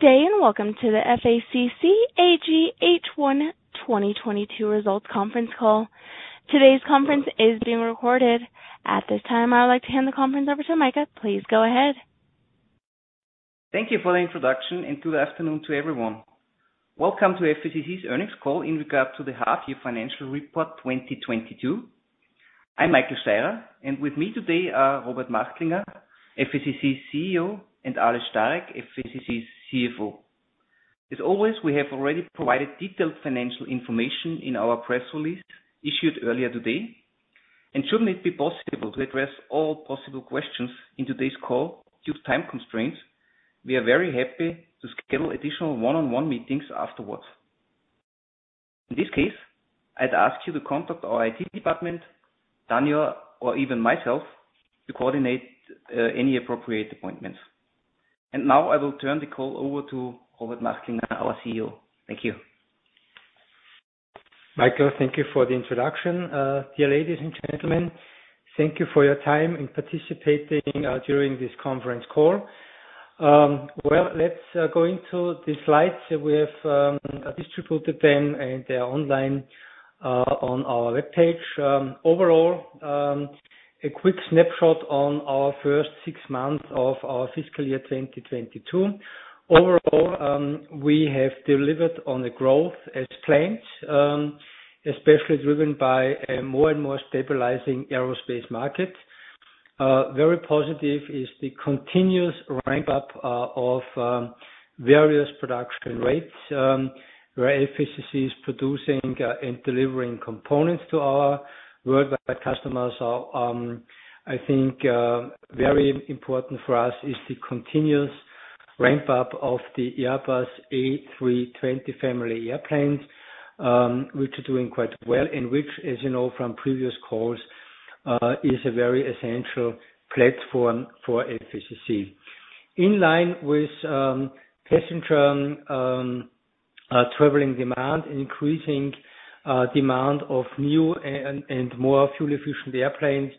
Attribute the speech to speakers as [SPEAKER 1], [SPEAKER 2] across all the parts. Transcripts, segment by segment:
[SPEAKER 1] Good day, and welcome to the FACC AG H1 2022 results conference call. Today's conference is being recorded. At this time, I'd like to hand the conference over to Michael. Please go ahead.
[SPEAKER 2] Thank you for the introduction, and good afternoon to everyone. Welcome to FACC's earnings call in regard to the half year financial report 2022. I'm Michael Steirer, and with me today are Robert Machtlinger, FACC's CEO, and Aleš Stárek, FACC's CFO. As always, we have already provided detailed financial information in our press release issued earlier today. Should it be possible to address all possible questions in today's call due to time constraints, we are very happy to schedule additional one-on-one meetings afterwards. In this case, I'd ask you to contact our IT department, Daniel, or even myself, to coordinate any appropriate appointments. Now I will turn the call over to Robert Machtlinger, our CEO. Thank you.
[SPEAKER 3] Michael, thank you for the introduction. Dear ladies and gentlemen, thank you for your time in participating during this conference call. Well, let's go into the slides. We have distributed them, and they are online on our webpage. Overall, a quick snapshot on our first six months of our fiscal year 2022. Overall, we have delivered on the growth as planned, especially driven by a more and more stabilizing aerospace market. Very positive is the continuous ramp up of various production rates where FACC is producing and delivering components to our worldwide customers. I think very important for us is the continuous ramp up of the Airbus A320 family airplanes, which are doing quite well, and which, as you know from previous calls, is a very essential platform for FACC. In line with passenger traveling demand, increasing demand of new and more fuel efficient airplanes,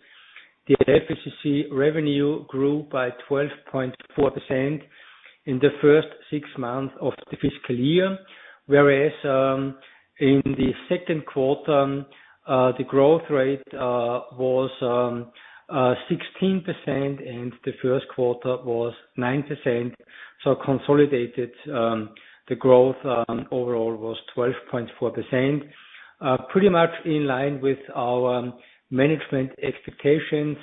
[SPEAKER 3] the FACC revenue grew by 12.4% in the first six months of the fiscal year, whereas in the second quarter the growth rate was 16%, and the first quarter was 9%. Consolidated the growth overall was 12.4%. Pretty much in line with our management expectations,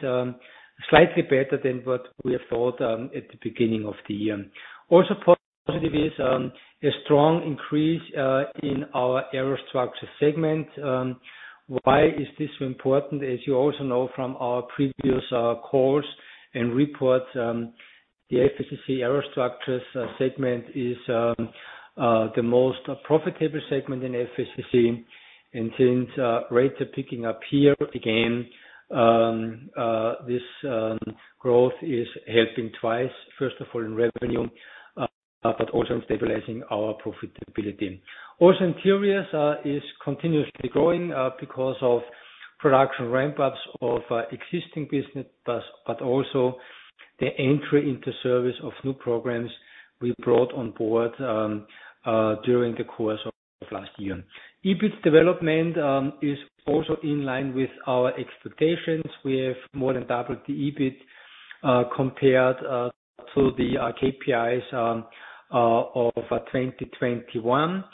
[SPEAKER 3] slightly better than what we have thought at the beginning of the year. Also positive is a strong increase in our aerostructures segment. Why is this important? As you also know from our previous calls and reports, the FACC aerostructures segment is the most profitable segment in FACC. Since rates are picking up here again, this growth is helping twice. First of all, in revenue, but also stabilizing our profitability. Also interiors is continuously growing because of production ramp-ups of existing business, but also the entry into service of new programs we brought on board during the course of last year. EBIT development is also in line with our expectations. We have more than doubled the EBIT compared to the KPIs of 2021.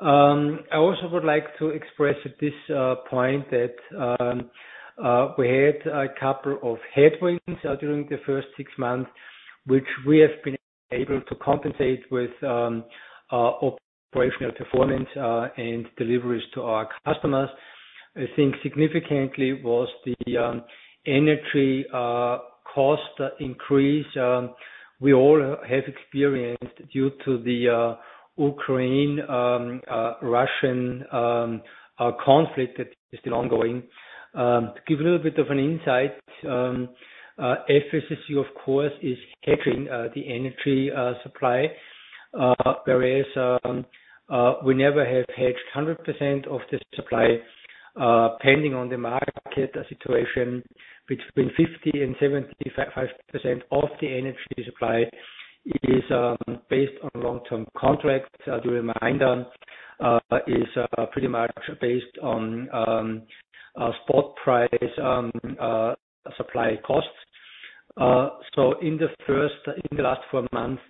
[SPEAKER 3] I also would like to express at this point that we had a couple of headwinds during the first six months, which we have been able to compensate with operational performance and deliveries to our customers. I think significantly was the energy cost increase we all have experienced due to the Ukraine Russian conflict that is still ongoing. To give a little bit of an insight, FACC of course is hedging the energy supply, whereas we never have hedged 100% of the supply, depending on the market situation between 50% and 75% of the energy supply is based on long-term contracts. The remainder is pretty much based on spot price supply costs. In the last four months,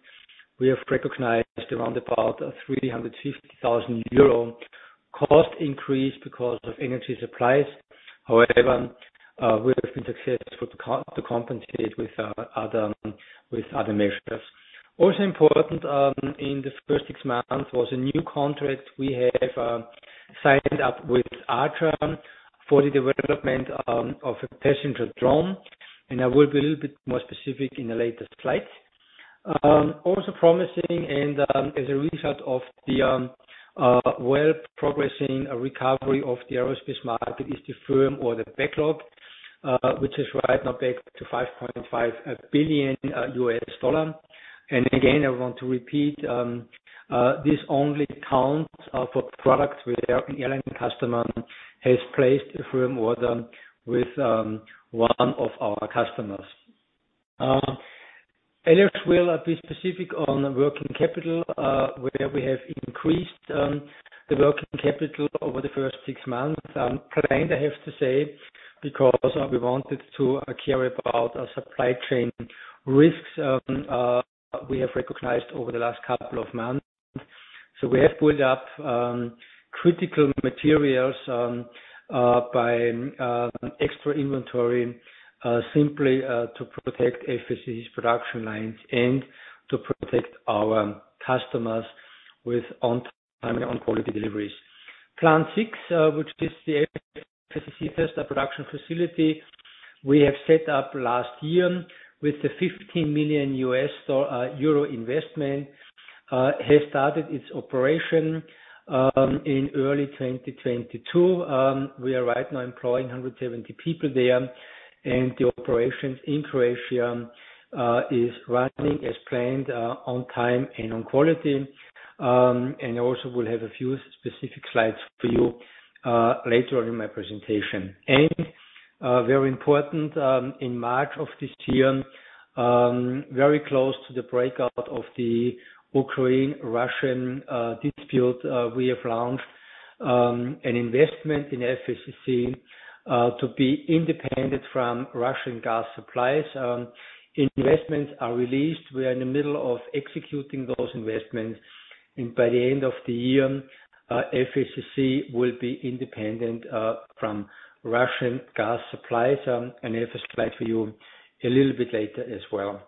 [SPEAKER 3] we have recognized around about 350,000 euro cost increase because of energy supplies. However, we have been successful to compensate with other measures. Also important in this first six months was a new contract we have signed up with ARTAM for the development of a passenger drone, and I will be a little bit more specific in a later slide. Also promising and as a result of the well progressing recovery of the aerospace market is the firm order backlog, which is right now back to $5.5 billion. Again, I want to repeat, this only counts for products where the airline customer has placed a firm order with one of our customers. Aleš Stárek will be specific on working capital, where we have increased the working capital over the first six months. Planned, I have to say, because we wanted to care about our supply chain risks we have recognized over the last couple of months. We have pulled up critical materials by extra inventory, simply to protect FACC's production lines and to protect our customers with on time and on quality deliveries. Plant six, which is the FACC first production facility we have set up last year with the 15 million euro investment, has started its operation in early 2022. We are right now employing 170 people there, and the operations in Croatia is running as planned, on time and on quality. Also will have a few specific slides for you later on in my presentation. Very important, in March of this year, very close to the outbreak of the Russian-Ukrainian dispute, we have launched an investment in FACC to be independent from Russian gas supplies. Investments are released. We are in the middle of executing those investments, and by the end of the year, FACC will be independent from Russian gas supplies. I have a slide for you a little bit later as well.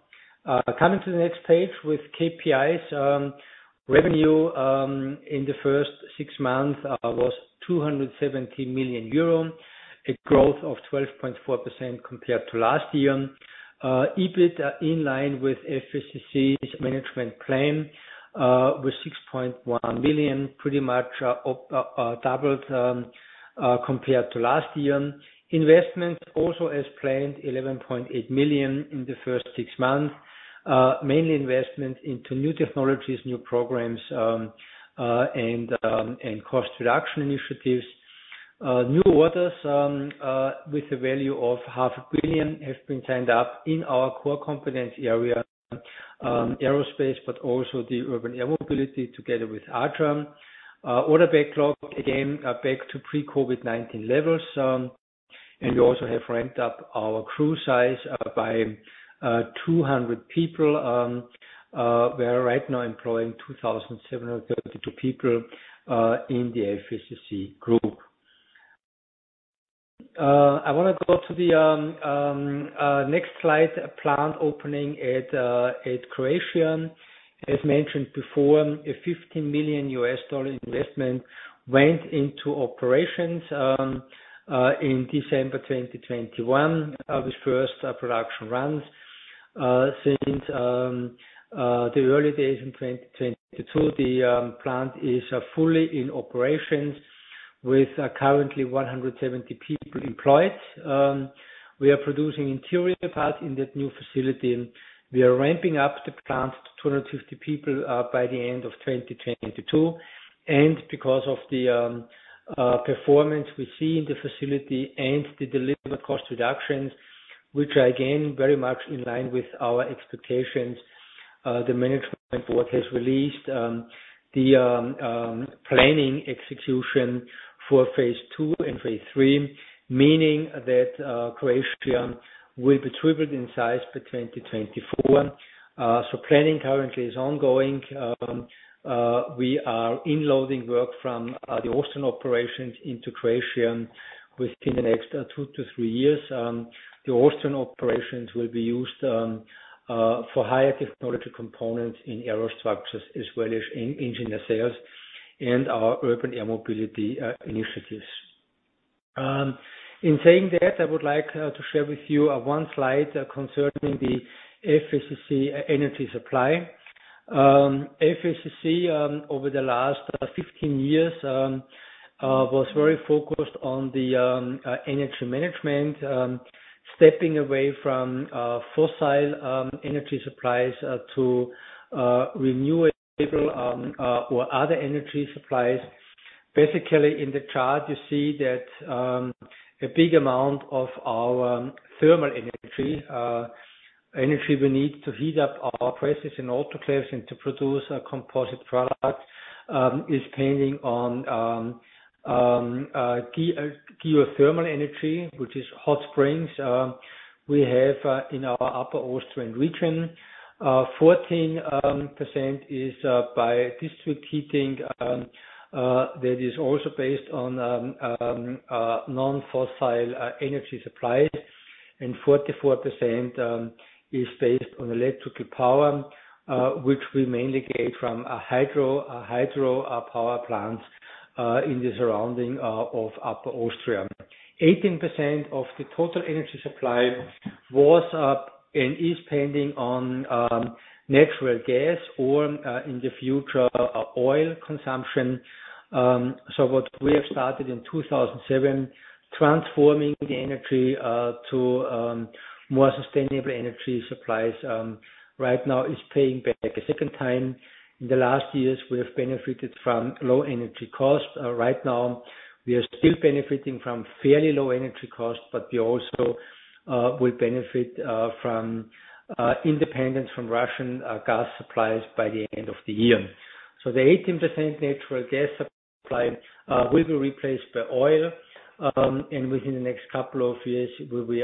[SPEAKER 3] Coming to the next page with KPIs. Revenue in the first six months was 270 million euro, a growth of 12.4% compared to last year. EBIT in line with FACC's management plan with 6.1 million, pretty much doubled compared to last year. Investment also as planned, 11.8 million in the first six months. Mainly investment into new technologies, new programs, and cost reduction initiatives. New orders with a value of half a billion EUR have been signed up in our core competency area, aerospace, but also the urban air mobility together with Archer. Order backlog, again, back to pre-COVID-19 levels. We also have ramped up our crew size by 200 people. We are right now employing 2,732 people in the FACC group. I wanna go to the next slide, plant opening at Croatia. As mentioned before, a $15 million investment went into operations in December 2021. The first production runs since the early days in 2022. The plant is fully in operations with currently 170 people employed. We are producing interior parts in that new facility, and we are ramping up the plant to 250 people by the end of 2022. Because of the performance we see in the facility and the delivered cost reductions, which are again, very much in line with our expectations, the management board has released the planning execution for phase II and phase three, meaning that Croatia will be tripled in size by 2024. Planning currently is ongoing. We are inloading work from the Austrian operations into Croatia within the next two-three years. The Austrian operations will be used for higher technology components in aerostructures, as well as in engineering sales and our urban air mobility initiatives. In saying that, I would like to share with you one slide concerning the FACC energy supply. FACC over the last 15 years was very focused on the energy management, stepping away from fossil energy supplies to renewable or other energy supplies. Basically, in the chart you see that a big amount of our thermal energy we need to heat up our process and autoclaves and to produce a composite product is depending on geothermal energy, which is hot springs we have in our Upper Austrian region. 14% is by district heating that is also based on non-fossil energy supplies, and 44% is based on electrical power which we mainly get from hydro power plants in the surroundings of Upper Austria. 18% of the total energy supply was and is depending on natural gas or, in the future, oil consumption. What we have started in 2007, transforming the energy to more sustainable energy supplies, right now is paying back a second time. In the last years, we have benefited from low energy costs. Right now we are still benefiting from fairly low energy costs, but we also will benefit from independence from Russian gas supplies by the end of the year. The 18% natural gas supply will be replaced by oil. Within the next couple of years, we'll be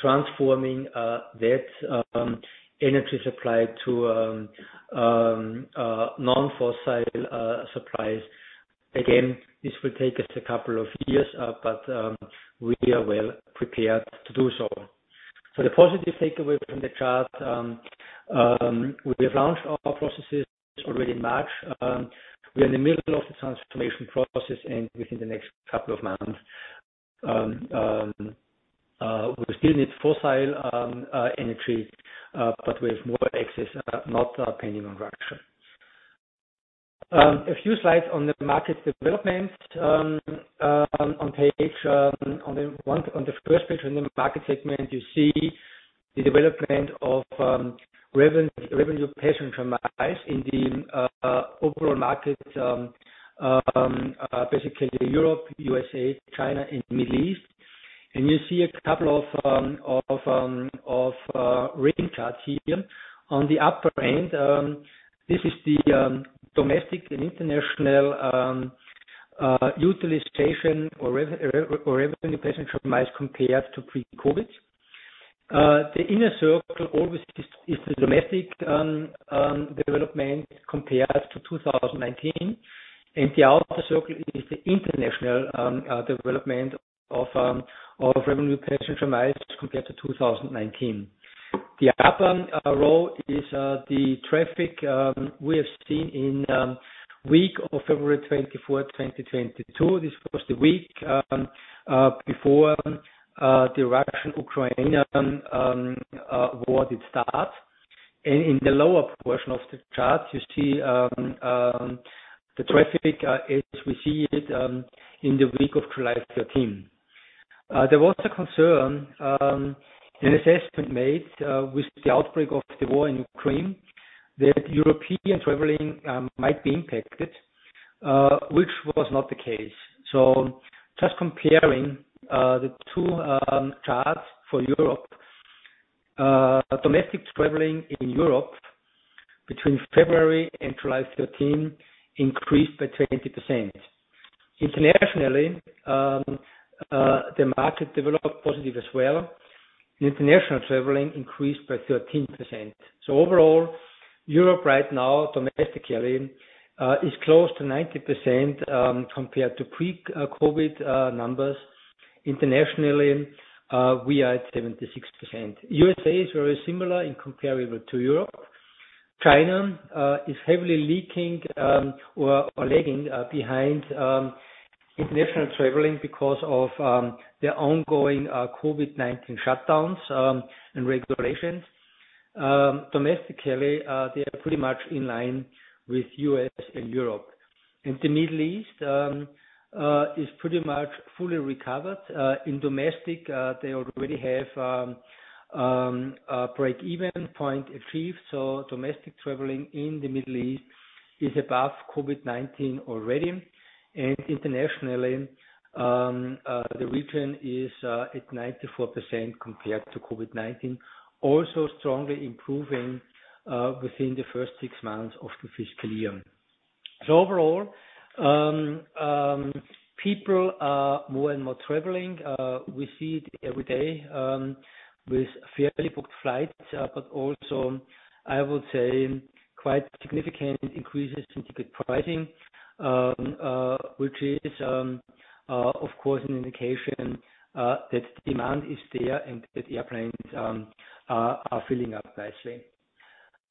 [SPEAKER 3] transforming that energy supply to non-fossil supplies. Again, this will take us a couple of years, but we are well prepared to do so. The positive takeaway from the chart, we have launched our processes already in March. We are in the middle of the transformation process and within the next couple of months. We still need fossil energy, but with more access, not depending on Russia. A few slides on the market development, on the first page on the market segment, you see the development of revenue passenger miles in the overall market, basically Europe, USA, China, and Middle East. You see a couple of rating charts here. On the upper end, this is the domestic and international utilization or revenue passenger miles compared to pre-COVID. The inner circle always is the domestic development compared to 2019. The outer circle is the international development of revenue passenger miles compared to 2019. The upper row is the traffic we have seen in week of February 24, 2022. This was the week before the Russian, Ukrainian war did start. In the lower portion of the chart, you see the traffic as we see it in the week of July 13. There was a concern, an assessment made, with the outbreak of the war in Ukraine that European traveling might be impacted, which was not the case. Just comparing the two charts for Europe. Domestic traveling in Europe between February and July 13 increased by 20%. Internationally, the market developed positive as well. International traveling increased by 13%. Overall, Europe right now, domestically, is close to 90%, compared to pre-COVID numbers. Internationally, we are at 76%. USA is very similar and comparable to Europe. China is heavily lagging behind international traveling because of their ongoing COVID-19 shutdowns and regulations. Domestically, they are pretty much in line with U.S. and Europe. The Middle East is pretty much fully recovered. In domestic, they already have a break-even point achieved. Domestic traveling in the Middle East is above COVID-19 already. Internationally, the region is at 94% compared to COVID-19, also strongly improving within the first six months of the fiscal year. Overall, people are more and more traveling. We see it every day, with fairly booked flights, but also, I would say quite significant increases in ticket pricing, which is, of course an indication, that demand is there and that the airplanes are filling up nicely.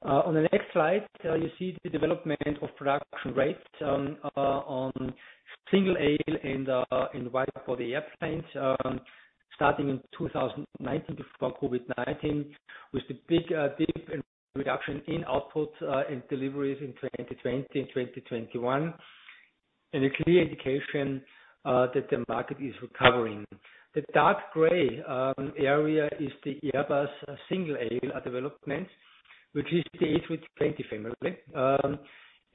[SPEAKER 3] On the next slide, you see the development of production rates, on single-aisle and wide-body airplanes, starting in 2019 before COVID-19, with the big dip in reduction in output, and deliveries in 2020 and 2021, and a clear indication, that the market is recovering. The dark gray area is the Airbus single-aisle development, which is the A220 family.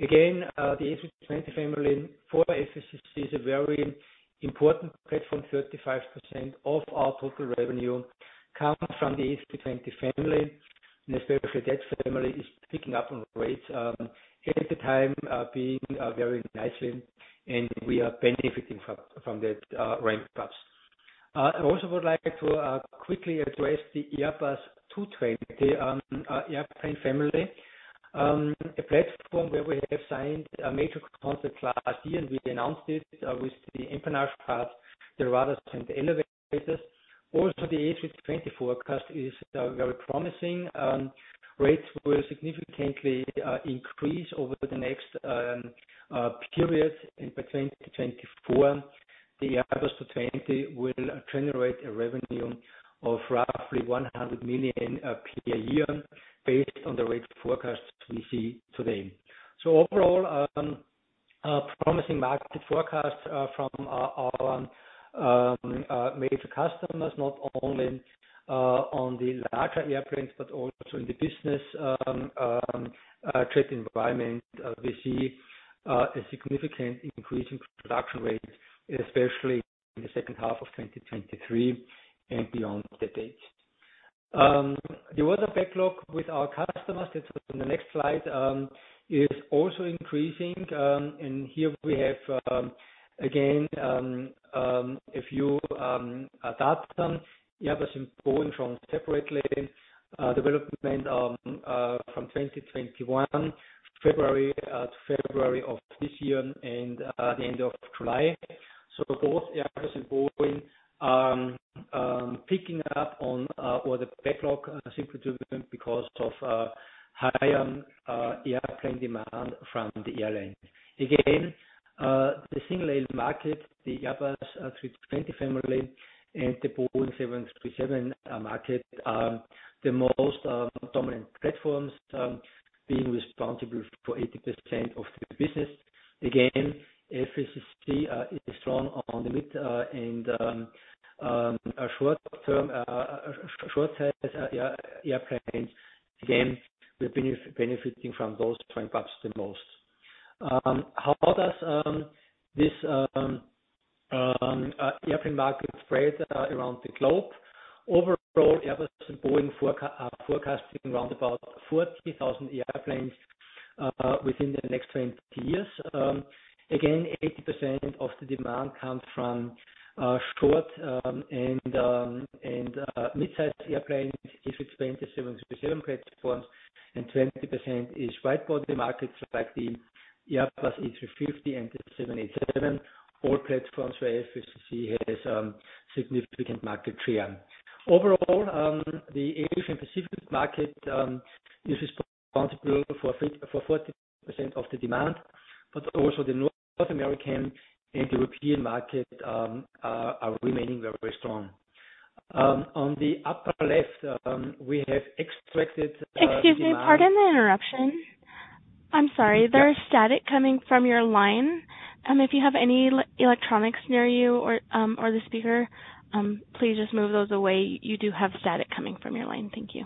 [SPEAKER 3] Again, the A220 family for FACC is a very important platform. 35% of our total revenue comes from the A220 family, and especially that family is picking up on rates ahead of time, being very nicely and we are benefiting from that ramp-ups. I also would like to quickly address the Airbus A220 airplane family. A platform where we have signed a major contract last year, and we announced it with the empennage parts, the rudders, and the elevators. Also the A220 forecast is very promising. Rates will significantly increase over the next period and by 2024, the Airbus A220 will generate a revenue of roughly 100 million per year based on the rate forecasts we see today. Overall, promising market forecast from our major customers, not only on the larger airplanes, but also in the business jet environment. We see a significant increase in production rates, especially in the second half of 2023 and beyond that date. There is a backlog with our customers that's on the next slide, is also increasing. Here we have, again, if you plot them. Airbus and Boeing separate developments from February 2021 to February of this year and the end of July. Both Airbus and Boeing picking up, so the backlog simply due because of higher airplane demand from the airline. The single aisle market, the Airbus A320 family and the Boeing 737 market are the most dominant platforms, being responsible for 80% of the business. FACC is strong on the mid- and short-term airplanes. We're benefiting from those trends perhaps the most. How does this airplane market spread around the globe? Overall, Airbus and Boeing are forecasting around 40,000 airplanes within the next 20 years. Again, 80% of the demand comes from short- and mid-sized airplanes. It's A320 and 737 platforms and 20% is wide-body markets like the Airbus A350 and the 787, all platforms where FACC has significant market share. Overall, the Asia-Pacific market is responsible for 40% of the demand, but also the North American and European market are remaining very strong. On the upper left, we have extracted demand-
[SPEAKER 1] Excuse me, pardon the interruption. I'm sorry. There is static coming from your line. If you have any electronics near you or the speaker, please just move those away. You do have static coming from your line. Thank you.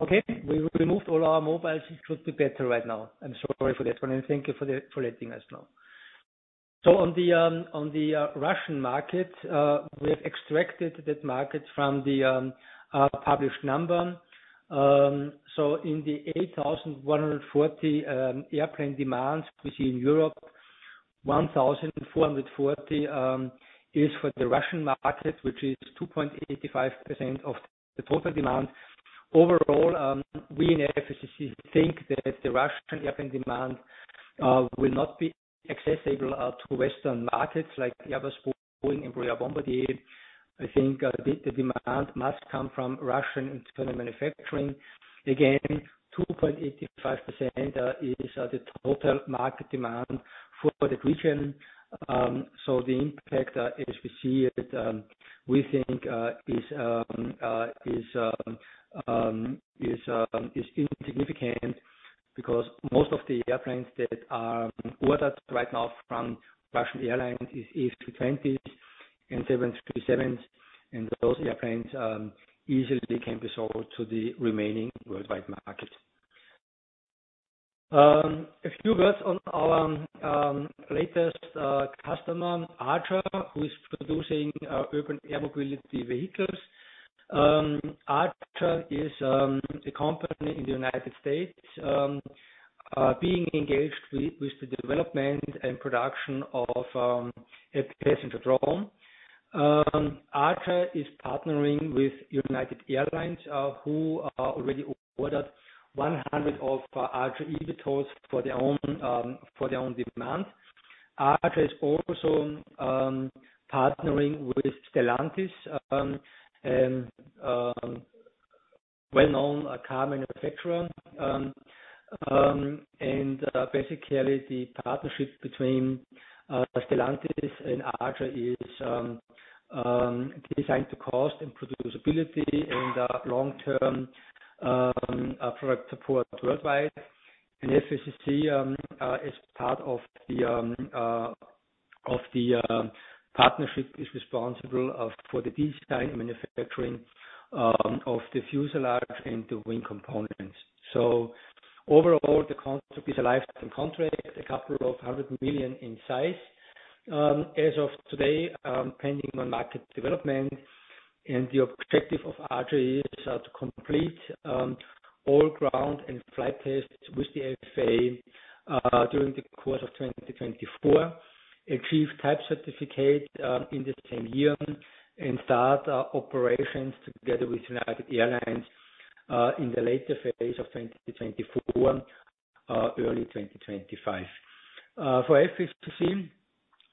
[SPEAKER 3] Okay. We removed all our mobiles. It should be better right now. I'm sorry for that one, and thank you for letting us know. On the Russian market, we have extracted that market from the published number. In the 8,140 airplane demands we see in Europe, 1,440 is for the Russian market, which is 2.85% of the total demand. Overall, we in FACC think that the Russian airplane demand will not be accessible to Western markets like Airbus, Boeing, Embraer, Bombardier. I think, the demand must come from Russian internal manufacturing. Again, 2.85% is the total market demand for the region. The impact, as we see it, we think, is insignificant because most of the airplanes that are ordered right now from Russian airlines is A320 and 737, and those airplanes easily can be sold to the remaining worldwide market. A few words on our latest customer, Archer, who is producing urban air mobility vehicles. Archer is a company in the United States, being engaged with the development and production of a passenger drone. Archer is partnering with United Airlines, who already ordered 100 of Archer eVTOLs for their own demand. Archer is also partnering with Stellantis, and well-known car manufacturer. Basically the partnership between Stellantis and Archer is designed for cost and producibility and long-term product support worldwide. FACC is part of the partnership is responsible for the design manufacturing of the fuselage and the wing components. Overall, the concept is a lifetime contract, a couple of hundred million EUR in size. As of today, depending on market development and the objective of Archer is to complete all ground and flight tests with the FAA during the course of 2024, achieve type certificate in the same year, and start operations together with United Airlines in the later phase of 2024, early 2025. For FACC,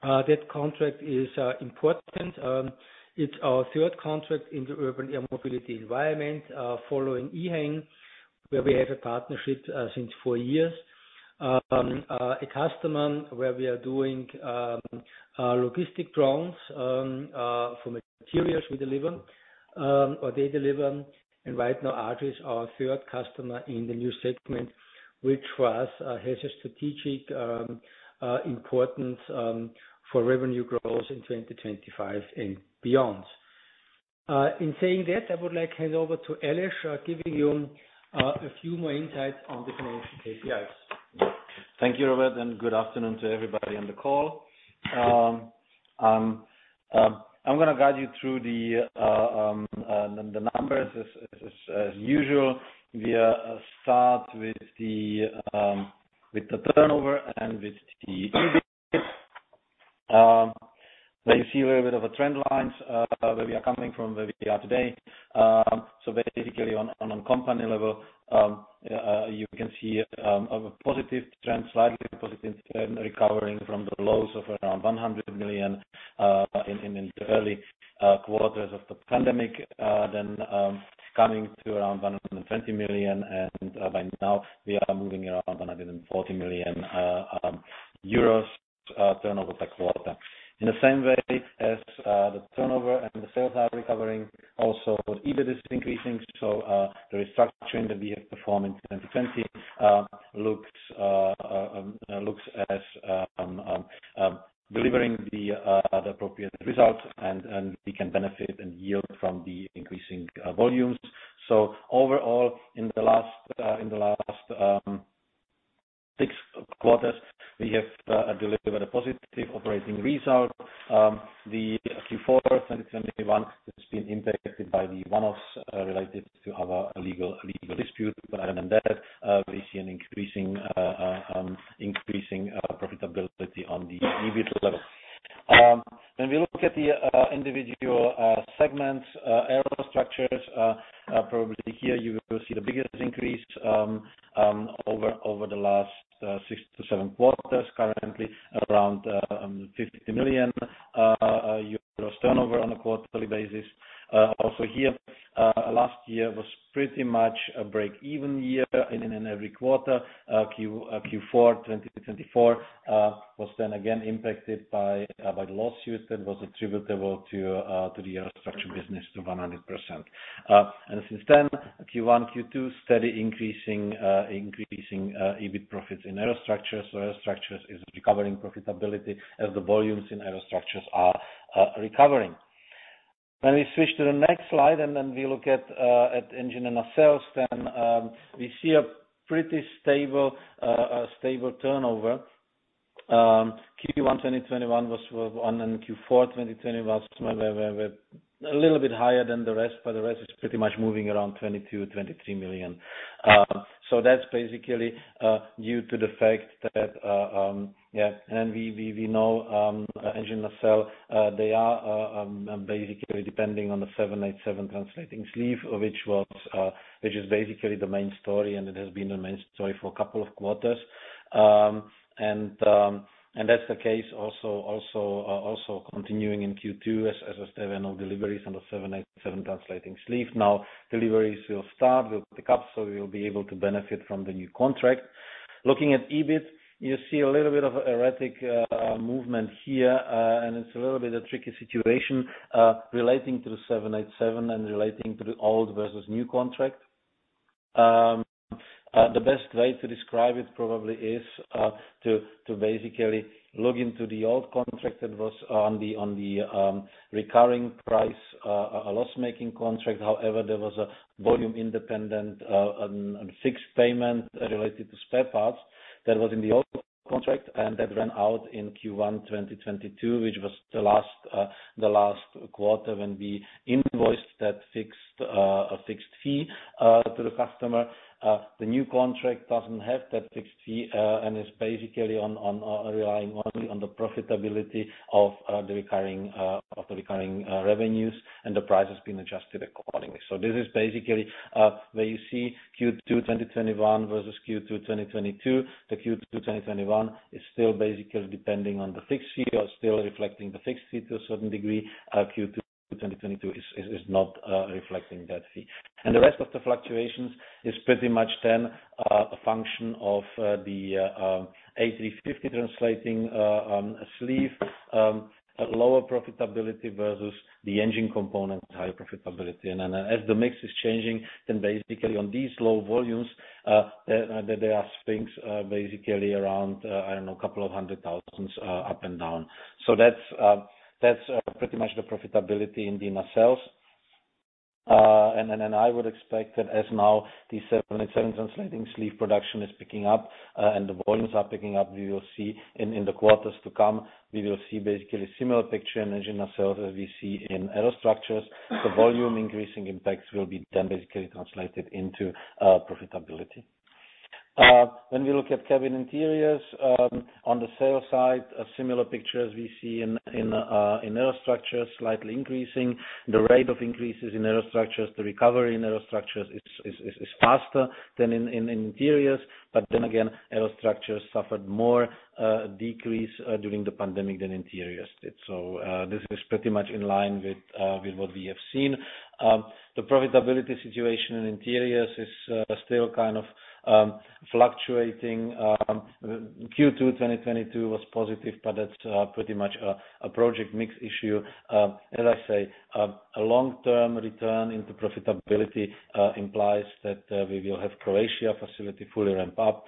[SPEAKER 3] that contract is important. It's our third contract in the urban air mobility environment, following EHang, where we have a partnership since four years. A customer where we are doing logistic drones for materials we deliver or they deliver. Right now Archer is our third customer in the new segment, which for us has a strategic importance for revenue growth in 2025 and beyond. In saying that, I would like hand over to Aleš Stárek, giving you a few more insights on the financial KPIs.
[SPEAKER 4] Thank you, Robert, and good afternoon to everybody on the call. I'm gonna guide you through the numbers as usual. We start with the turnover and with the EBIT. Where you see a little bit of a trend lines, where we are coming from, where we are today. Basically on a company level, you can see a positive trend, slightly positive trend recovering from the lows of around 100 million in the early quarters of the pandemic. Coming to around 120 million, and by now we are moving around 140 million euros turnover per quarter. In the same way as the turnover and the sales are recovering also EBIT is increasing. The restructuring that we have performed in 2020 looks as delivering the appropriate results and we can benefit and yield from the increasing volumes. Overall in the last six quarters, we have delivered a positive operating result. The Q4 2021 has been impacted by the one-offs related to our legal dispute. Other than that, we see an increasing profitability on the EBIT level. When we look at the individual segments, Aerostructures, probably here you will see the biggest increase over the last six to seven quarters, currently around 50 million euros turnover on a quarterly basis. Also here, last year was pretty much a break even year in every quarter. Q4 2024 was then again impacted by the lawsuits that was attributable to the Aerostructures business to 100%. Since then Q1, Q2 steady increasing EBIT profits in Aerostructures. Aerostructures is recovering profitability as the volumes in Aerostructures are recovering. When we switch to the next slide, and then we look at engine and nacelles, we see a pretty stable stable turnover. Q1 2021 was, and Q4 2020 was where we're a little bit higher than the rest, but the rest is pretty much moving around 22-23 million. That's basically due to the fact that we know engine nacelle they are basically depending on the 787 translating sleeve, which is basically the main story, and it has been the main story for a couple of quarters. That's the case also continuing in Q2 as there were no deliveries on the 787 translating sleeve. Deliveries will pick up, so we will be able to benefit from the new contract. Looking at EBIT, you see a little bit of erratic movement here. It's a little bit a tricky situation relating to the 787 and relating to the old versus new contract. The best way to describe it probably is to basically look into the old contract that was on the recurring price, a loss-making contract. However, there was a volume independent fixed payment related to spare parts that was in the old contract, and that ran out in Q1 2022, which was the last quarter when we invoiced that fixed fee to the customer. The new contract doesn't have that fixed fee and is basically relying only on the profitability of the recurring revenues and the price has been adjusted accordingly. This is basically where you see Q2 2021 versus Q2 2022. The Q2 2021 is still basically depending on the fixed fee or still reflecting the fixed fee to a certain degree. Q2 2022 is not reflecting that fee. The rest of the fluctuations is pretty much then a function of the A350 translating sleeve lower profitability versus the engine component higher profitability. Then as the mix is changing, then basically on these low volumes, there are swings basically around I don't know a couple of hundred thousands up and down. That's pretty much the profitability in the nacelles. I would expect that as now the 787 translating sleeve production is picking up, and the volumes are picking up, we will see in the quarters to come, we will see basically similar picture in engine nacelle as we see in Aerostructures. The volume increasing impacts will be then basically translated into profitability. When we look at cabin interiors, on the sales side, a similar picture as we see in Aerostructures, slightly increasing. The rate of increases in Aerostructures, the recovery in Aerostructures is faster than in interiors. Again, Aerostructures suffered more decrease during the pandemic than interiors did. This is pretty much in line with what we have seen. The profitability situation in interiors is still kind of fluctuating. Q2 2022 was positive, but that's pretty much a project mix issue. As I say, a long-term return into profitability implies that we will have Croatia facility fully ramp up.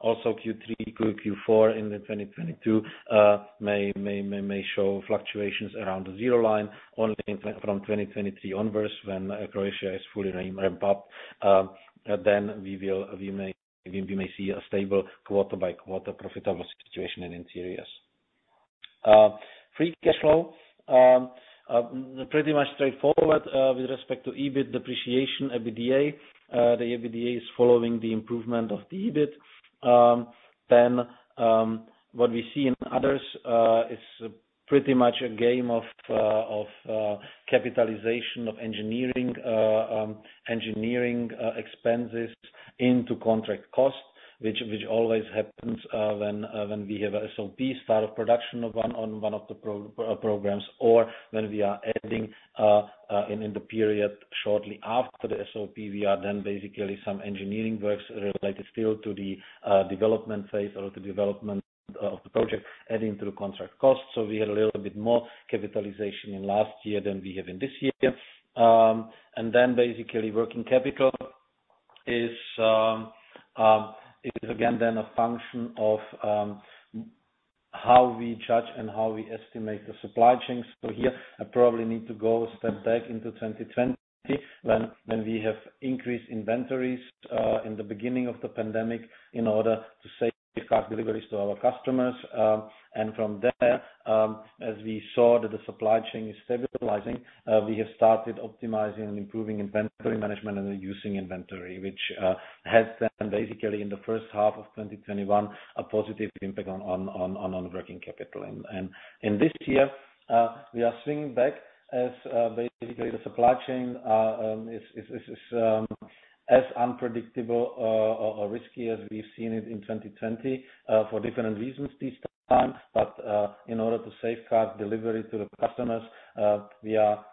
[SPEAKER 4] Also Q3 through Q4 in the 2022 may show fluctuations around the zero line only from 2023 onwards when Croatia is fully ramped up. We may see a stable quarter by quarter profitable situation in interiors. Free cash flow pretty much straightforward with respect to EBIT, depreciation, EBITDA. The EBITDA is following the improvement of the EBIT. What we see in others is pretty much a game of capitalization of engineering expenses into contract costs, which always happens when we have SOPs, start of production on one of the programs, or when we are adding in the period shortly after the SOP, we are then basically some engineering works related still to the development phase or the development of the project adding to the contract costs. We had a little bit more capitalization in last year than we have in this year. Working capital is again then a function of how we judge and how we estimate the supply chains. Here I probably need to go a step back into 2020, when we have increased inventories in the beginning of the pandemic in order to safeguard deliveries to our customers. From there, as we saw that the supply chain is stabilizing, we have started optimizing and improving inventory management and reducing inventory, which has been basically in the first half of 2021 a positive impact on working capital. In this year, we are swinging back as basically the supply chain is as unpredictable or risky as we've seen it in 2020, for different reasons this time. In order to safeguard delivery to the customers, we are,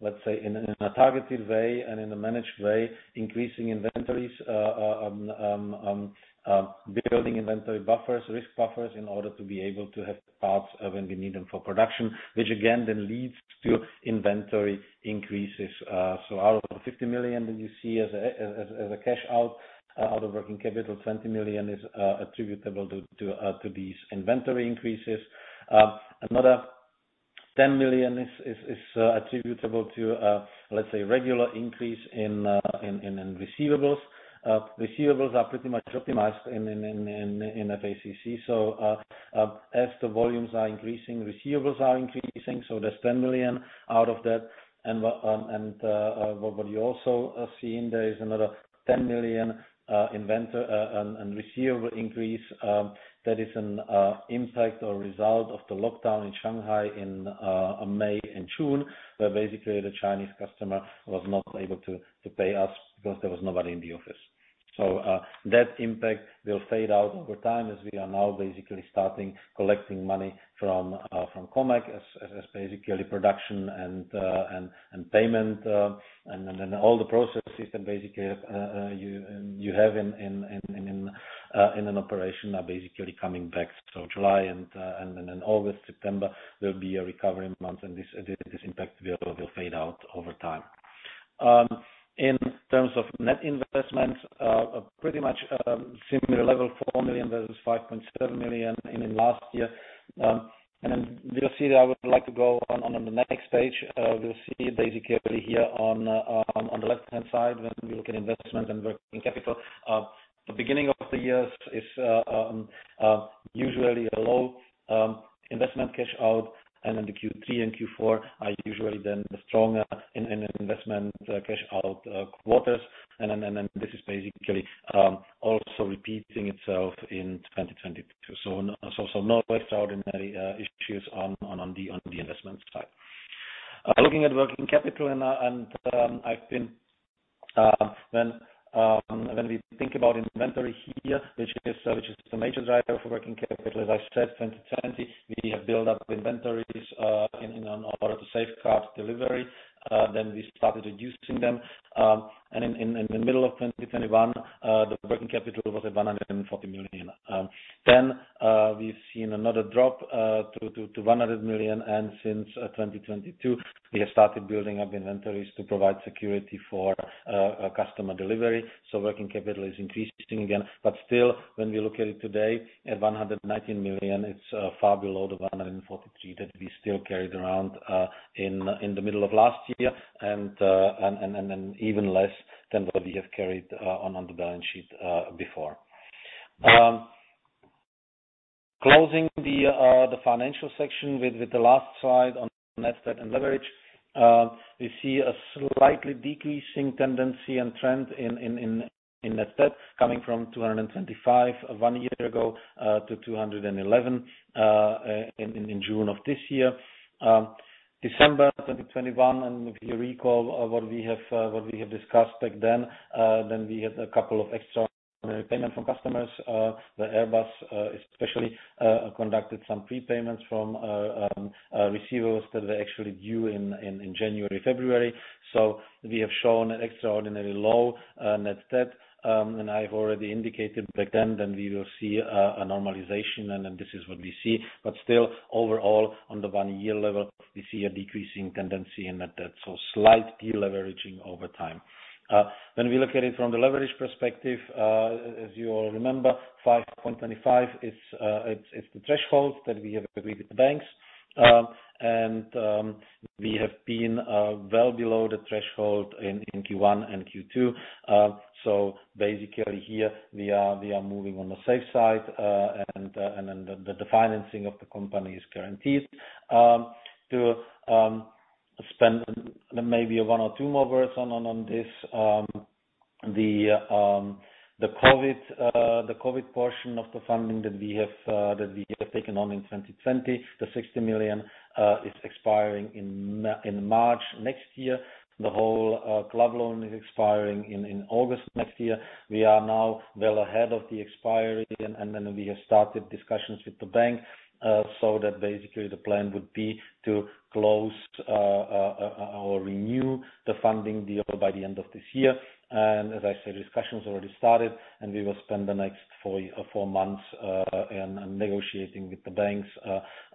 [SPEAKER 4] let's say, in a targeted way and in a managed way, increasing inventories, building inventory buffers, risk buffers, in order to be able to have parts when we need them for production, which again then leads to inventory increases. Out of 50 million that you see as a cash out of working capital, 20 million is attributable to these inventory increases. Another 10 million is attributable to regular increase in receivables. Receivables are pretty much optimized in FACC. As the volumes are increasing, receivables are increasing, so there's 10 million out of that. What you also are seeing there is another 10 million receivable increase that is an impact or result of the lockdown in Shanghai in May and June, where basically the Chinese customer was not able to pay us because there was nobody in the office. That impact will fade out over time as we are now basically starting collecting money from COMAC as basically production and payment and all the processes that basically you have in an operation are basically coming back. July and then in August, September, there'll be a recovery month and this impact will fade out over time. In terms of net investment, pretty much similar level, 4 million versus 5.7 million in last year. You'll see that I would like to go on the next page. You'll see basically here on the left-hand side when we look at investment and working capital. The beginning of the year is usually a low investment cash out, and then the Q3 and Q4 are usually the stronger in investment cash out quarters. This is basically also repeating itself in 2022. No extraordinary issues on the investment side. Looking at working capital and when we think about inventory here, which is the major driver for working capital, as I said, 2020, we have built up inventories in order to safeguard delivery, then we started reducing them. In the middle of 2021, the working capital was at 140 million. We've seen another drop to 100 million. Since 2022, we have started building up inventories to provide security for customer delivery. Working capital is increasing again. Still, when we look at it today at 119 million, it's far below the 143 million that we still carried around in the middle of last year. Even less than what we have carried on the balance sheet before. Closing the financial section with the last slide on net debt and leverage, we see a slightly decreasing tendency and trend in net debt coming from 225 million one year ago to 211 million in June of this year. December 2021, and if you recall what we have discussed back then we had a couple of extraordinary payments from customers. Airbus especially conducted some prepayments from receivables that were actually due in January, February. We have shown an extraordinarily low net debt. I've already indicated back then that we will see a normalization, and then this is what we see. Still overall, on the one-year level, we see a decreasing tendency in net debt, so slight deleveraging over time. When we look at it from the leverage perspective, as you all remember, 5.25 is the threshold that we have agreed with the banks. We have been well below the threshold in Q1 and Q2. Basically here we are moving on the safe side. Then the financing of the company is guaranteed, to spend maybe one or two more words on this. The COVID portion of the funding that we have taken on in 2020, the 60 million, is expiring in March next year. The whole club loan is expiring in August next year. We are now well ahead of the expiry and then we have started discussions with the bank, so that basically the plan would be to close or renew the funding deal by the end of this year. As I said, discussions already started, and we will spend the next four months in negotiating with the banks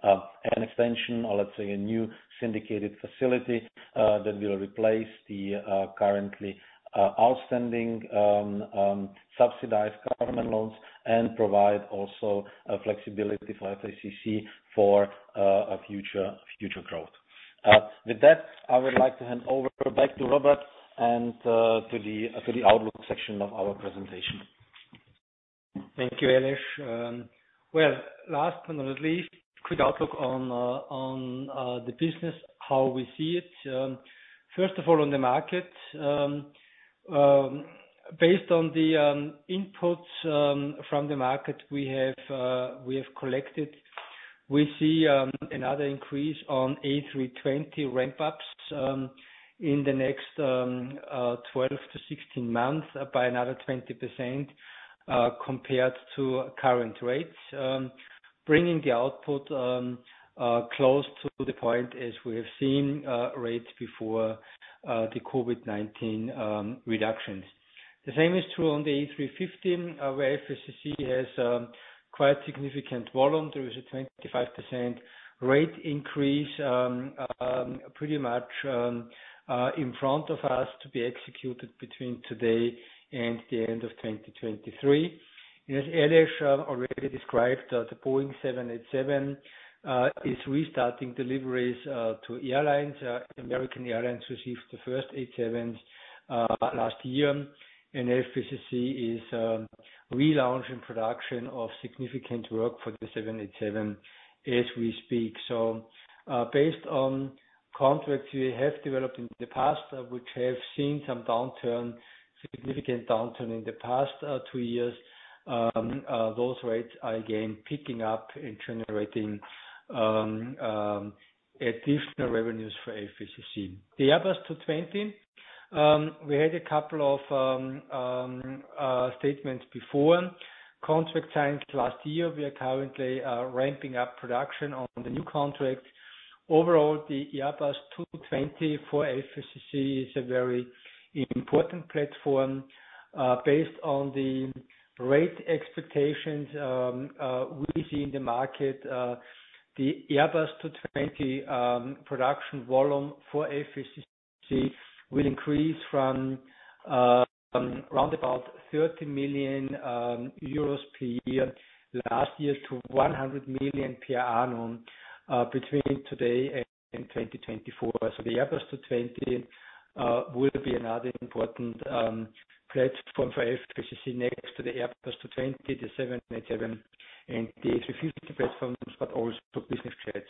[SPEAKER 4] an extension or let's say a new syndicated facility that will replace the currently outstanding subsidized government loans and provide also a flexibility for FACC for a future growth. With that, I would like to hand over back to Robert and to the outlook section of our presentation.
[SPEAKER 3] Thank you, Aleš. Well, last but not least, quick outlook on the business, how we see it. First of all, on the market. Based on the inputs from the market we have collected, we see another increase on A320 ramp ups in the next 12-16 months by another 20% compared to current rates, bringing the output close to the point as we have seen rates before the COVID-19 reductions. The same is true on the A350, where FACC has quite significant volume. There is a 25% rate increase pretty much in front of us to be executed between today and the end of 2023. As Aleš already described, the Boeing 787 is restarting deliveries to airlines. American Airlines received the first 787 last year. FACC is relaunching production of significant work for the 787 as we speak. Based on contracts we have developed in the past, which have seen some downturn, significant downturn in the past two years, those rates are again picking up and generating additional revenues for FACC. The Airbus two twenty, we had a couple of statements before. Contract signed last year. We are currently ramping up production on the new contract. Overall, the Airbus two twenty for FACC is a very important platform. Based on the rate expectations, we see in the market, the Airbus A220 production volume for FACC will increase from round about 30 million euros per year last year to 100 million per annum between today and 2024. The Airbus A220 will be another important platform for FACC next to the Airbus A220, the 787, and the A350 platforms, but also business jets.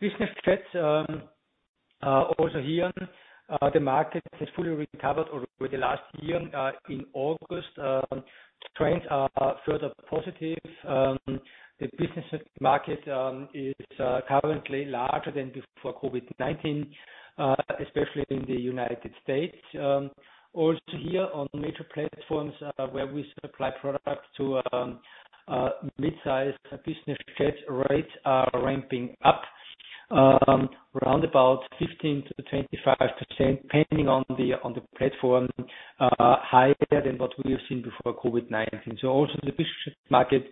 [SPEAKER 3] Business jets also here the market has fully recovered over the last year. In August trends are further positive. The business jets market is currently larger than before COVID-19, especially in the United States. Also here on major platforms, where we supply products to mid-sized business jets, rates are ramping up round about 15%-25%, depending on the platform, higher than what we have seen before COVID-19. Also the business jets market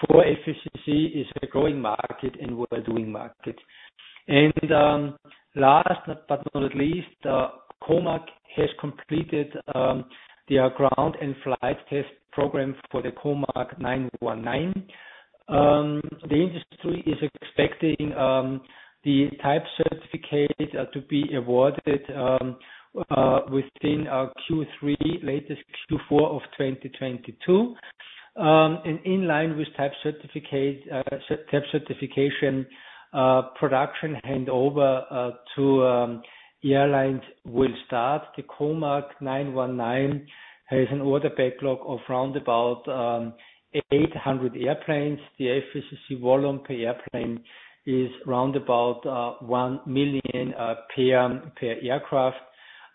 [SPEAKER 3] for FACC is a growing market and well-doing market. Last but not least, COMAC has completed their ground and flight test program for the COMAC C919. The industry is expecting the type certificate to be awarded within Q3, latest Q4 of 2022. In line with type certification, production handover to airlines will start. The COMAC C919 has an order backlog of round about 800 airplanes. The FACC volume per airplane is round about 1 million per aircraft.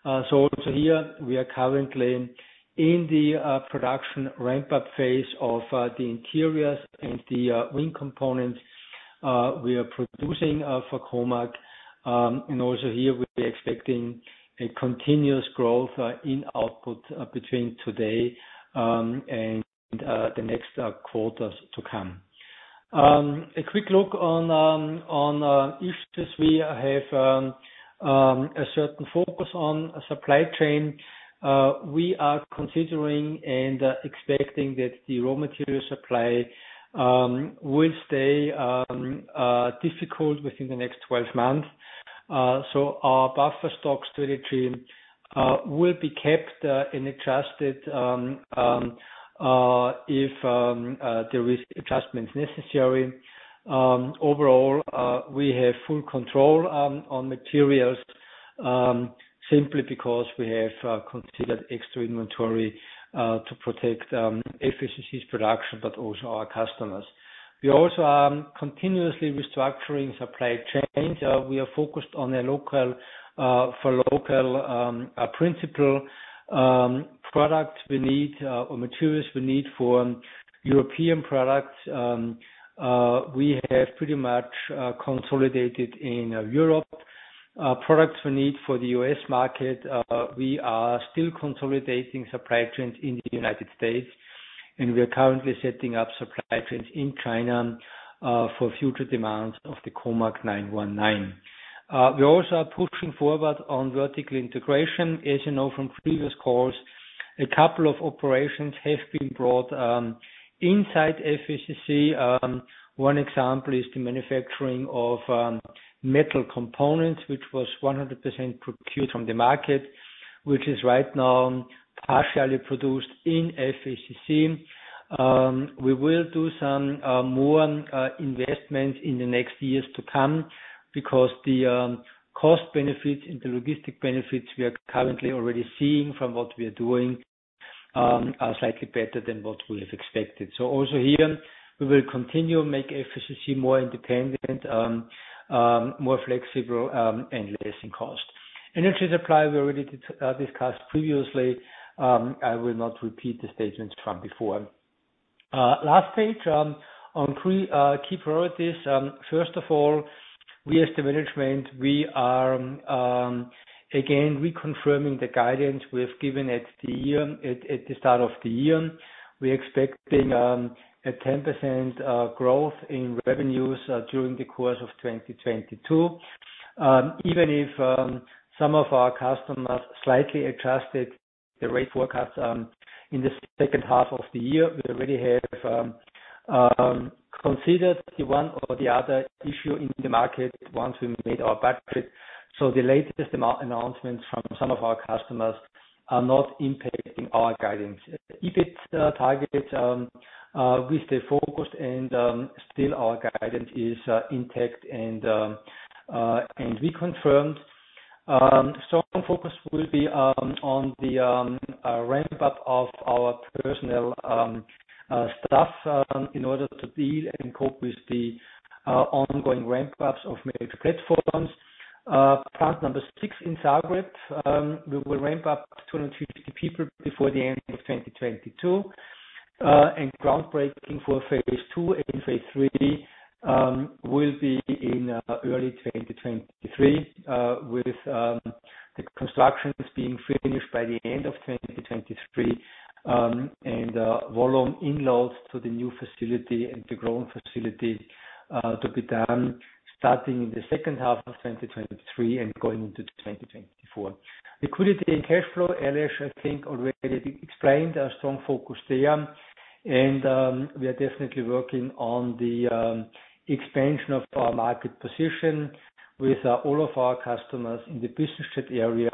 [SPEAKER 3] Also here we are currently in the production ramp-up phase of the interiors and the wing components we are producing for COMAC. We're expecting a continuous growth in output between today and the next quarters to come. A quick look on issues. We have a certain focus on supply chain. We are considering and expecting that the raw material supply will stay difficult within the next 12 months. Our buffer stocks strategy will be kept and adjusted if there is adjustments necessary. Overall, we have full control on materials, simply because we have considered extra inventory to protect FACC's production, but also our customers. We also are continuously restructuring supply chains. We are focused on a local-for-local principle, products we need or materials we need for European products. We have pretty much consolidated in Europe products we need for the US market. We are still consolidating supply chains in the United States, and we are currently setting up supply chains in China for future demands of the Comac C919. We also are pushing forward on vertical integration. As you know from previous calls, a couple of operations have been brought inside FACC. One example is the manufacturing of metal components, which was 100% procured from the market, which is right now partially produced in FACC. We will do some more investments in the next years to come because the cost benefits and the logistic benefits we are currently already seeing from what we are doing are slightly better than what we have expected. Also here we will continue make FACC more independent, more flexible, and less in cost. Energy supply we already discussed previously. I will not repeat the statements from before. Last page on key priorities. First of all, we as the management, we are again reconfirming the guidance we have given at the start of the year. We're expecting a 10% growth in revenues during the course of 2022. Even if some of our customers slightly adjusted the rate forecast in the second half of the year, we already have considered the one or the other issue in the market once we made our budget. The latest amount announcements from some of our customers are not impacting our guidance. EBIT targets, we stay focused and still our guidance is intact and reconfirmed. Strong focus will be on the ramp-up of our personnel staff in order to deal and cope with the ongoing ramp-ups of major platforms. Plant number six in Zagreb, we will ramp up to 250 people before the end of 2022. Groundbreaking for phase II and phase III will be in early 2023, with the constructions being finished by the end of 2023, and volume in loads to the new facility and the growing facility to be done starting in the second half of 2023 and going into 2024. Liquidity and cash flow, Aleš Stárek, I think already explained our strong focus there. We are definitely working on the expansion of our market position with all of our customers in the business jet area,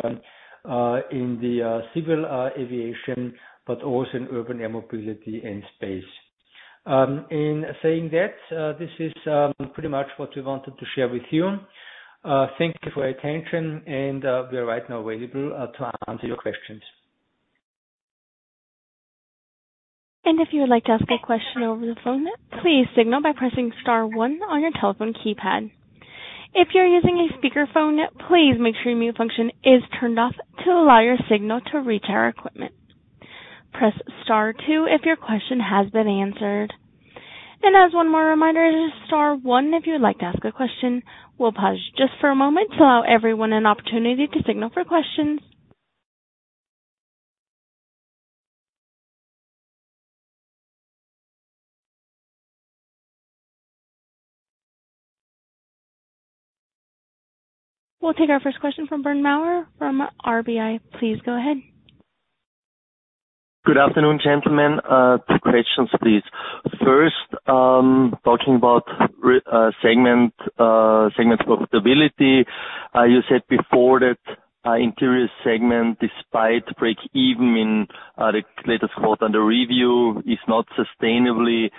[SPEAKER 3] in the civil aviation, but also in urban air mobility and space. In saying that, this is pretty much what we wanted to share with you. Thank you for your attention and we are right now available to answer your questions.
[SPEAKER 1] If you would like to ask a question over the phone, please signal by pressing star one on your telephone keypad. If you're using a speakerphone, please make sure mute function is turned off to allow your signal to reach our equipment. Press star two if your question has been answered. As one more reminder, it is star one if you would like to ask a question. We'll pause just for a moment to allow everyone an opportunity to signal for questions. We'll take our first question from Bernd Maurer from RBI. Please go ahead.
[SPEAKER 5] Good afternoon, gentlemen. Two questions, please. First, talking about segment profitability. You said before that interior segment, despite break even in the latest quarter under review, is not sustainably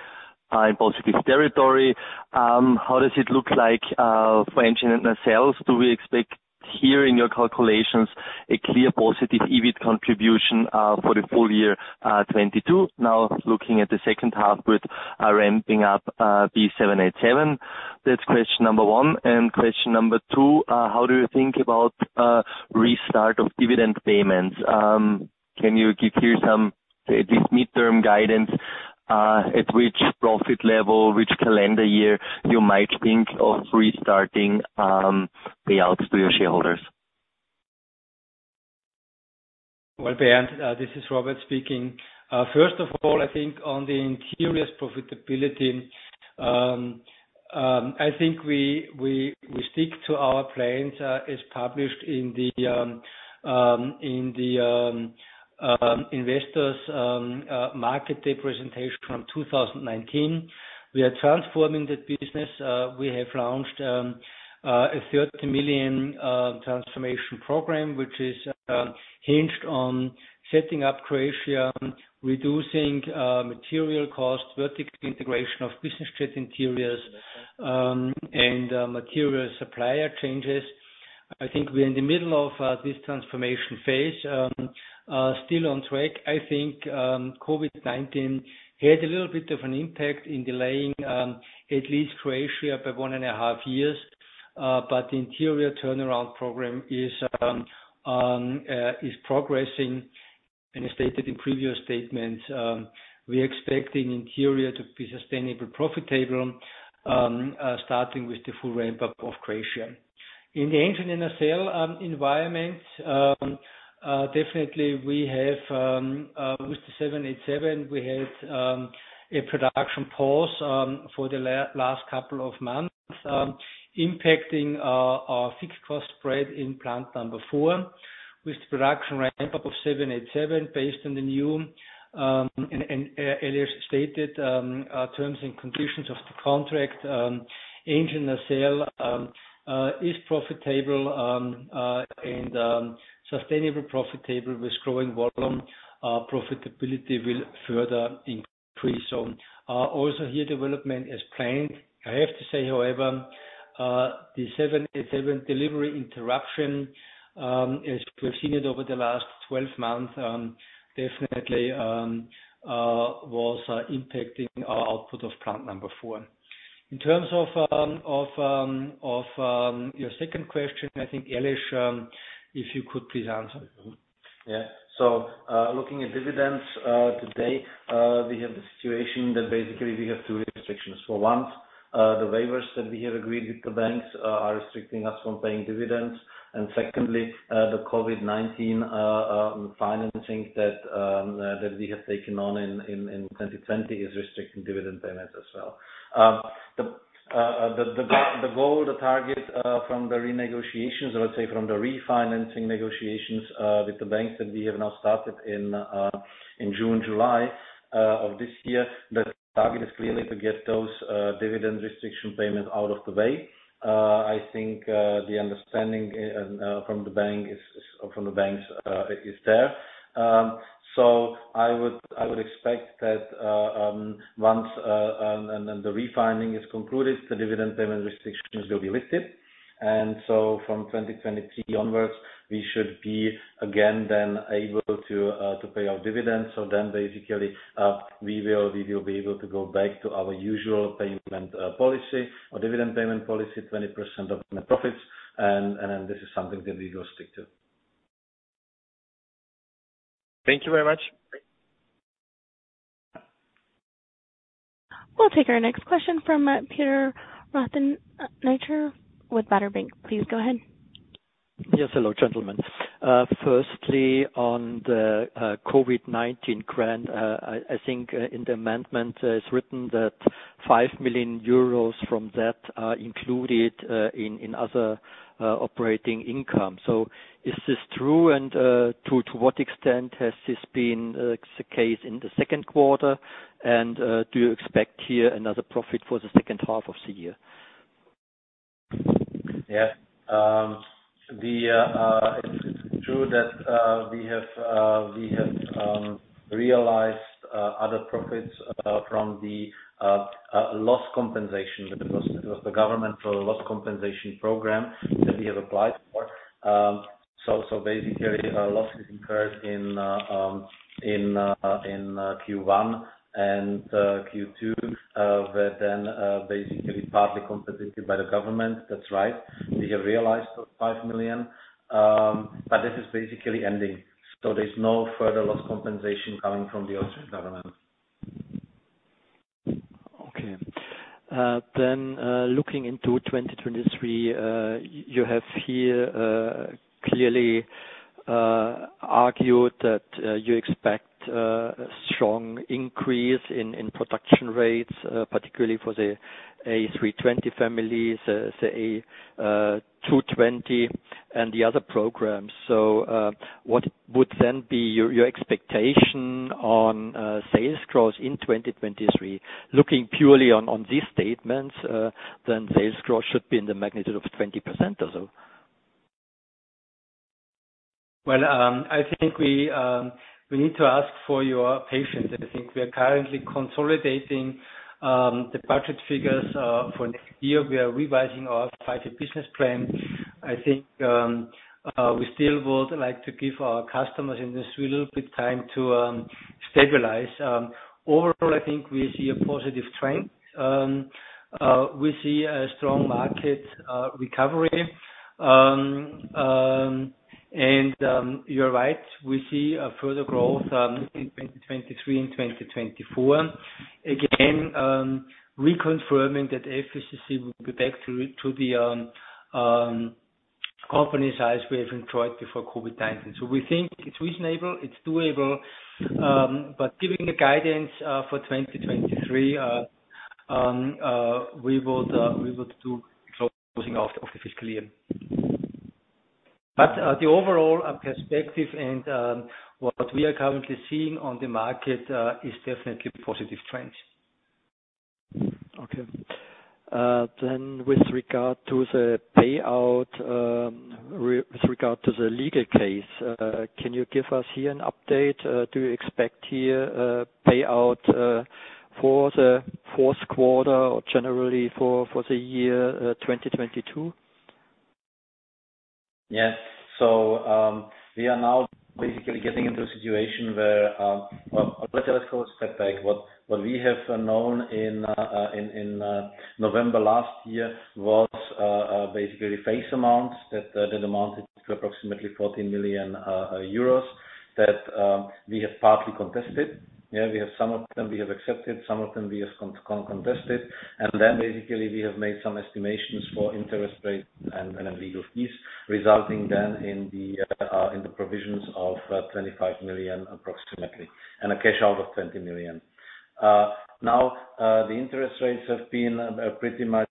[SPEAKER 5] in positive territory. How does it look like for engines and nacelles? Do we expect here in your calculations a clear positive EBIT contribution for the full year 2022? Now looking at the second half with ramping up B787. That's question number one. Question number two, how do you think about restart of dividend payments? Can you give here some, at least midterm guidance at which profit level, which calendar year you might think of restarting payouts to your shareholders?
[SPEAKER 3] Well, Bernd, this is Robert speaking. First of all, I think on the interiors profitability. I think we stick to our plans as published in the investors' market day presentation from 2019. We are transforming the business. We have launched a 30 million transformation program, which is hinged on setting up Croatia, reducing material costs, vertical integration of business jet interiors, and material supplier changes. I think we're in the middle of this transformation phase. Still on track. I think COVID-19 had a little bit of an impact in delaying at least Croatia by one and a half years. But the interior turnaround program is progressing. As stated in previous statements, we're expecting interior to be sustainable, profitable, starting with the full ramp-up of Croatia. In the engine and nacelle environment, definitely we have with the 787, we had a production pause for the last couple of months, impacting our fixed cost spread in plant number four. With the production ramp-up of 787 based on the new and Elias stated terms and conditions of the contract, engine nacelle is profitable and sustainable profitable with growing volume, profitability will further increase. Also here development as planned. I have to say, however, the 787 delivery interruption, as we have seen it over the last 12 months, definitely was impacting our output of plant number four. In terms of your second question, I think, Aleš, if you could please answer.
[SPEAKER 4] Yeah. Looking at dividends today, we have the situation that basically we have two restrictions. For one, the waivers that we have agreed with the banks are restricting us from paying dividends. Secondly, the COVID-19 financing that we have taken on in 2020 is restricting dividend payments as well. The goal, the target, from the renegotiations, let's say from the refinancing negotiations, with the banks that we have now started in June, July of this year, the target is clearly to get those dividend restriction payments out of the way. I think the understanding from the bank is, or from the banks, is there. I would expect that once the refinancing is concluded, the dividend payment restrictions will be lifted. From 2023 onwards, we should be again able to pay our dividends. Basically, we will be able to go back to our usual payment policy or dividend payment policy, 20% of net profits. This is something that we will stick to.
[SPEAKER 3] Thank you very much.
[SPEAKER 1] We'll take our next question from Peter Rothenaicher with Baader Bank. Please go ahead.
[SPEAKER 6] Yes. Hello, gentlemen. Firstly, on the COVID-19 grant, I think in the amendment it's written that 5 million euros from that are included in other operating income. Is this true? To what extent has this been the case in the second quarter? Do you expect here another profit for the second half of the year?
[SPEAKER 4] Yeah, it's true that we have realized other profits from the loss compensation because it was the governmental loss compensation program that we have applied for. Basically, losses incurred in Q1 and Q2 were then basically partly compensated by the government. That's right. We have realized those 5 million, but this is basically ending. There's no further loss compensation coming from the Austrian government.
[SPEAKER 6] Okay. Looking into 2023, you have here clearly argued that you expect a strong increase in production rates, particularly for the A320 families, the A220 and the other programs. What would then be your expectation on sales growth in 2023? Looking purely on these statements, sales growth should be in the magnitude of 20% or so.
[SPEAKER 3] Well, I think we need to ask for your patience. I think we are currently consolidating the budget figures for next year. We are revising our entire business plan. I think we still would like to give our customers in this a little bit time to stabilize. Overall, I think we see a positive trend. We see a strong market recovery. You're right, we see a further growth in 2023 and 2024. Again, reconfirming that efficiency will be back to the
[SPEAKER 4] Company size we have enjoyed before COVID-19. We think it's reasonable, it's doable. Giving the guidance for 2023, we would do closing of the fiscal year. The overall perspective and what we are currently seeing on the market is definitely positive trends.
[SPEAKER 6] With regard to the payout, with regard to the legal case, can you give us here an update? Do you expect here a payout for the fourth quarter or generally for the year 2022?
[SPEAKER 4] Yes. We are now basically getting into a situation where, well, let's go a step back. What we have known in November last year was basically face amounts that amounted to approximately 14 million euros that we have partly contested. Yeah, we have some of them we have accepted, some of them we have contested. Then basically we have made some estimations for interest rates and legal fees resulting then in the provisions of approximately 25 million, and a cash out of 20 million. Now, the interest rates have been pretty much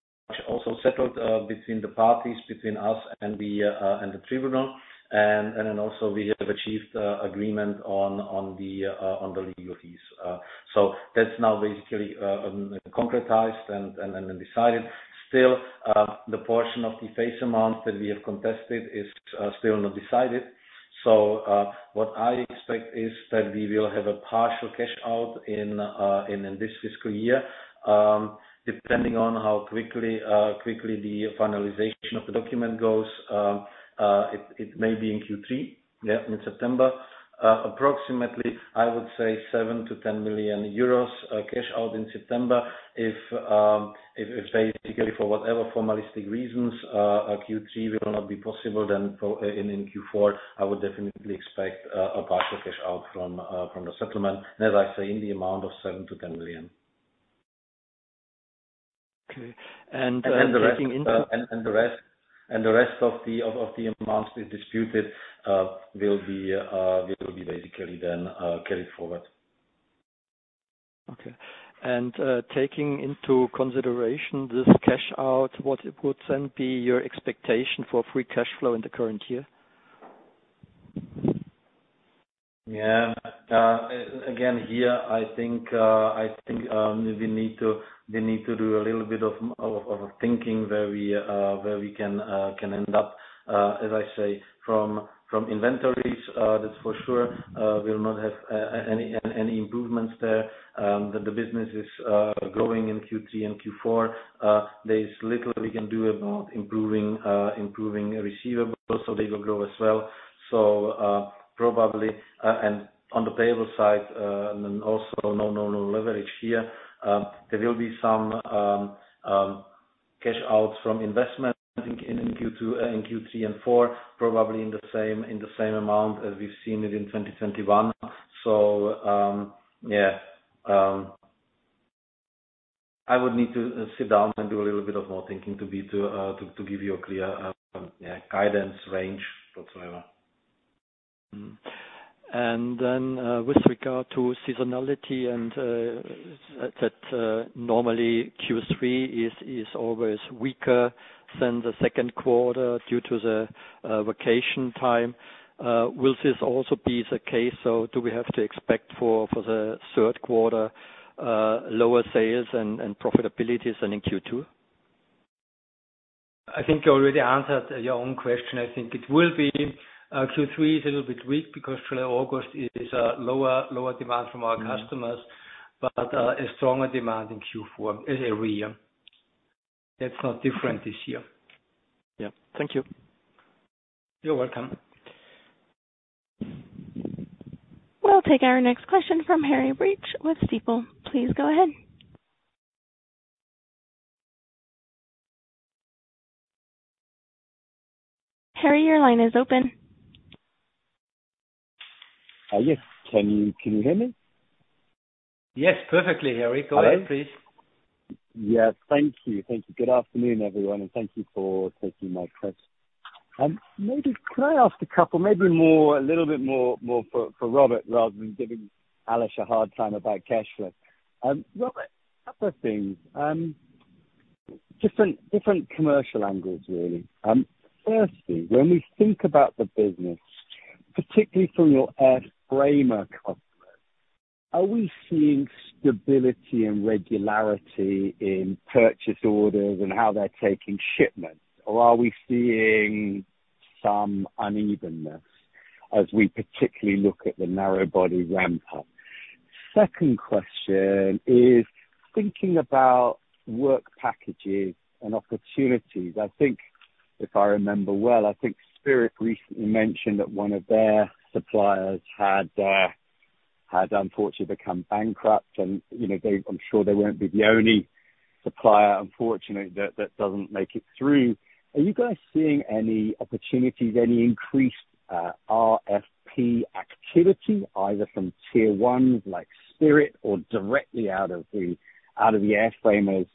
[SPEAKER 4] also settled between the parties, between us and the tribunal. Then also we have achieved agreement on the legal fees. That's now basically concretized and decided. Still, the portion of the face amount that we have contested is still not decided. What I expect is that we will have a partial cash out in this fiscal year. Depending on how quickly the finalization of the document goes, it may be in Q3, yeah, in September. Approximately, I would say 7 million-10 million euros cash out in September. If basically for whatever formalistic reasons Q3 will not be possible, then in Q4, I would definitely expect a partial cash out from the settlement, and as I say, in the amount of 7 million-10 million.
[SPEAKER 6] Okay. Taking into
[SPEAKER 4] The rest of the amounts we disputed will be basically then carried forward.
[SPEAKER 6] Okay. Taking into consideration this cash out, what would then be your expectation for free cash flow in the current year?
[SPEAKER 4] Yeah. Again, here, I think we need to do a little bit of thinking where we can end up, as I say, from inventories, that's for sure. We'll not have any improvements there, that the business is growing in Q3 and Q4. There is little we can do about improving receivables, so they will grow as well. Probably, and on the payables side, and also no leverage here. There will be some cash outflows from investment I think in Q2 and Q3 and Q4, probably in the same amount as we've seen it in 2021. Yeah. I would need to sit down and do a little bit of more thinking to be able to give you a clear yeah guidance range whatsoever.
[SPEAKER 6] With regard to seasonality and that normally Q3 is always weaker than the second quarter due to the vacation time, will this also be the case? Do we have to expect for the third quarter lower sales and profitability than in Q2?
[SPEAKER 4] I think you already answered your own question. I think it will be, Q3 is a little bit weak because July, August is a lower demand from our customers, but, a stronger demand in Q4 every year. That's not different this year.
[SPEAKER 6] Yeah. Thank you.
[SPEAKER 4] You're welcome.
[SPEAKER 1] We'll take our next question from Harry Breach with Stifel. Please go ahead. Harry, your line is open.
[SPEAKER 7] Hi, yes. Can you hear me?
[SPEAKER 4] Yes, perfectly, Harry. Go ahead, please.
[SPEAKER 7] Yes. Thank you. Good afternoon, everyone, and thank you for taking my question. Maybe could I ask a couple, maybe a little bit more for Robert rather than giving Aleš a hard time about cash flow? Robert, a couple of things. Different commercial angles, really. Firstly, when we think about the business, particularly from your airframer customers, are we seeing stability and regularity in purchase orders and how they're taking shipments? Or are we seeing some unevenness as we particularly look at the narrow body ramp up? Second question is thinking about work packages and opportunities. I think if I remember well, I think Spirit recently mentioned that one of their suppliers had unfortunately become bankrupt and, you know, they, I'm sure they won't be the only supplier, unfortunately, that doesn't make it through. Are you guys seeing any opportunities, any increased RFP activity, either from tier ones like Spirit or directly out of the airframers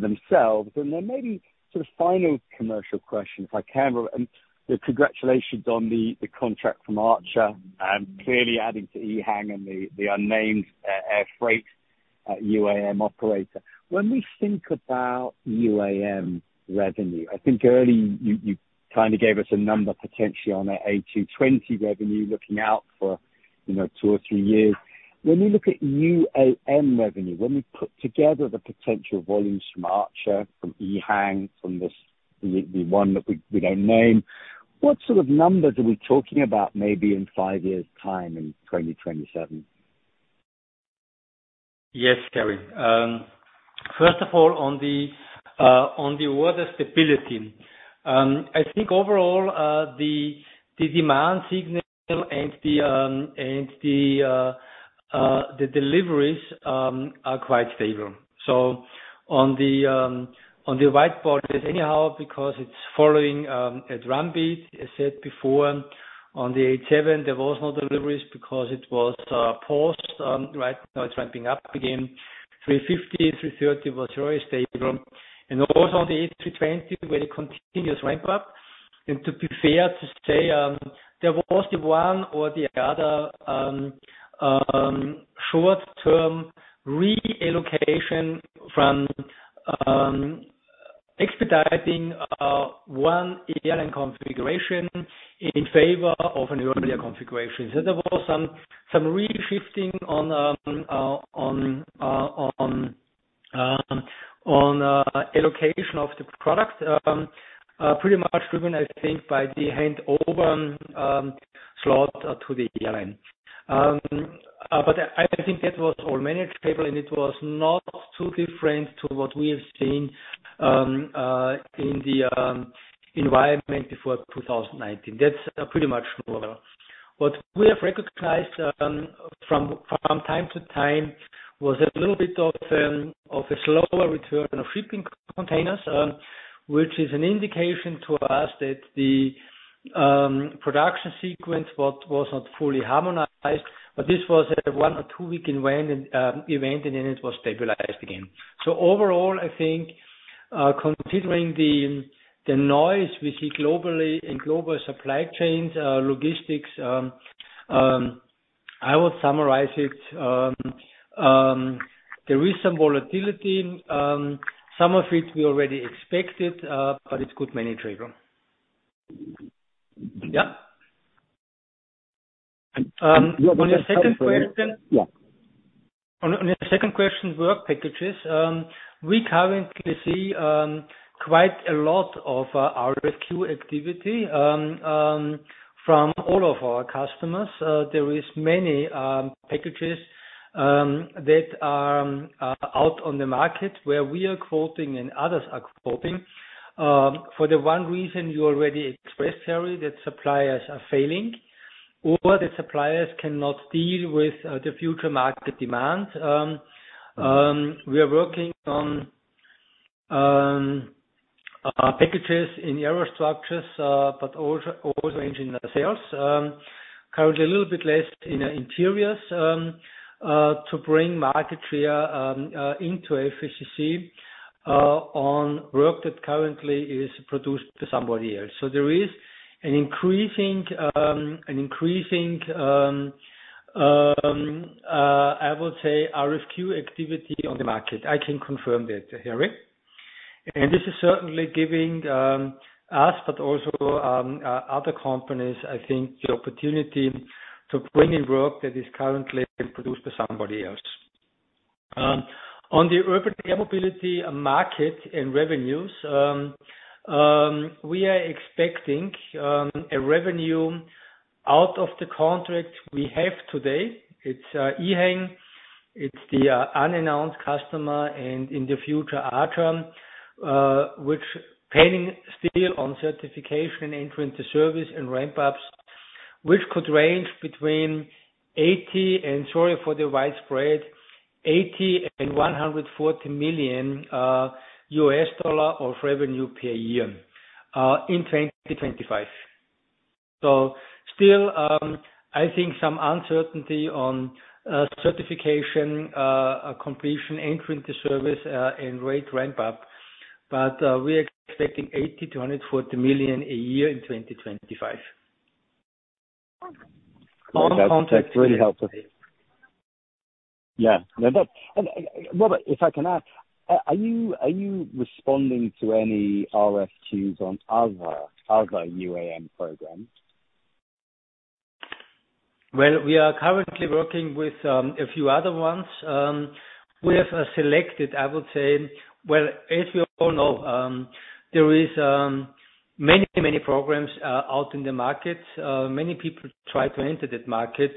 [SPEAKER 7] themselves? Then maybe sort of final commercial question, if I can. The congratulations on the contract from Archer clearly adding to EHang and the unnamed air freight UAM operator. When we think about UAM revenue, I think earlier you kind of gave us a number potentially on A220 revenue looking out for, you know, two or three years. When we look at UAM revenue, when we put together the potential volumes from Archer, from EHang, from this, the one that we don't name, what sort of numbers are we talking about maybe in five years time in 2027?
[SPEAKER 3] Yes, Harry Breach. First of all, on the order stability, I think overall, the demand signal and the deliveries are quite stable. On the wide-body anyhow because it's following at run rate, as said before, on the 787, there was no deliveries because it was paused. Right now it's ramping up again. 350, 330 was really stable. Also on the A320, where it continues ramp up. To be fair to say, there was the one or the other short-term reallocation from expediting one airline configuration in favor of an earlier configuration. There was some re-shifting on allocation of the product, pretty much driven, I think, by the handover slot to the airline. I think that was all managed stable, and it was not too different to what we have seen in the environment before 2019. That's pretty much more. What we have recognized from time to time was a little bit of a slower return of shipping containers, which is an indication to us that the production sequence was not fully harmonized, but this was a on- or two-week event, and then it was stabilized again. Overall, I think, considering the noise we see globally in global supply chains, logistics, I would summarize it, there is some volatility, some of which we already expected, but it's good manageable. Yeah. On the second question.
[SPEAKER 7] Yeah.
[SPEAKER 3] On the second question, work packages. We currently see quite a lot of RFQ activity from all of our customers. There is many packages that are out on the market where we are quoting and others are quoting. For the one reason you already expressed, Harry, that suppliers are failing or the suppliers cannot deal with the future market demand. We are working on packages in aerostructures, but also engineering sales. Currently a little bit less in interiors to bring market share into FACC on work that currently is produced to somebody else. There is an increasing I would say RFQ activity on the market. I can confirm that, Harry. This is certainly giving us but also other companies, I think, the opportunity to bring in work that is currently produced to somebody else. On the urban air mobility market and revenues, we are expecting a revenue out of the contract we have today. It's EHang, it's the unannounced customer and in the future Archer, which pending still on certification entry into service and ramp ups, which could range between 80 and, sorry for the widespread, 80 and 140 million US dollar of revenue per year in 2025. Still, I think some uncertainty on certification completion entry into service and rate ramp up, but we are expecting 80 to 140 million a year in 2025.
[SPEAKER 7] That's really helpful. Yeah. No, but, Robert, if I can add, are you responding to any RFQs on other UAM programs?
[SPEAKER 3] Well, we are currently working with a few other ones we have selected, I would say. Well, as we all know, there is many, many programs out in the market. Many people try to enter that market.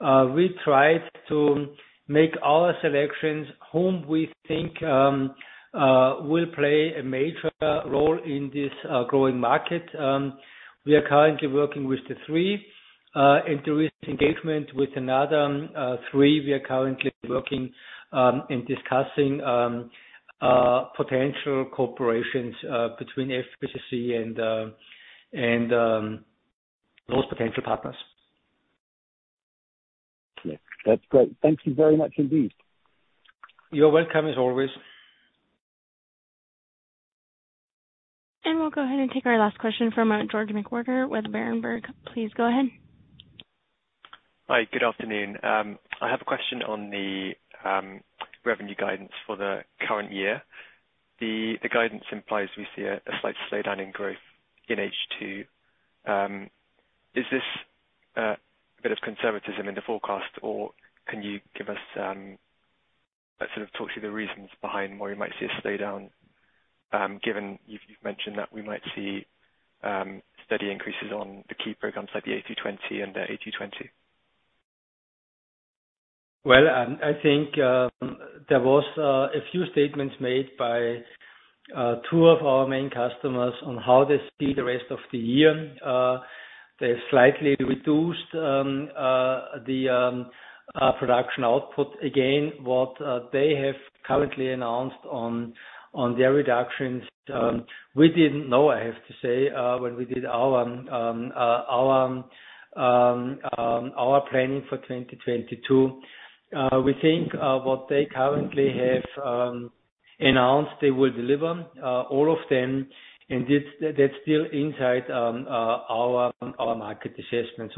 [SPEAKER 3] We try to make our selections whom we think will play a major role in this growing market. We are currently working with the three. There is engagement with another three. We are currently working and discussing potential cooperation between FACC and those potential partners.
[SPEAKER 7] That's great. Thank you very much indeed.
[SPEAKER 3] You're welcome as always.
[SPEAKER 1] We'll go ahead and take our last question from George McWhirter with Berenberg. Please go ahead.
[SPEAKER 8] Hi. Good afternoon. I have a question on the revenue guidance for the current year. The guidance implies we see a slight slowdown in growth in H2. Is this a bit of conservatism in the forecast, or can you give us a sort of talk through the reasons behind why you might see a slowdown, given you've mentioned that we might see steady increases on the key programs like the A220?
[SPEAKER 3] Well, I think there was a few statements made by two of our main customers on how they see the rest of the year. They slightly reduced the production output. Again, what they have currently announced on their reductions, we didn't know, I have to say, when we did our planning for 2022. We think what they currently have announced, they will deliver all of them. That's still inside our market assessment.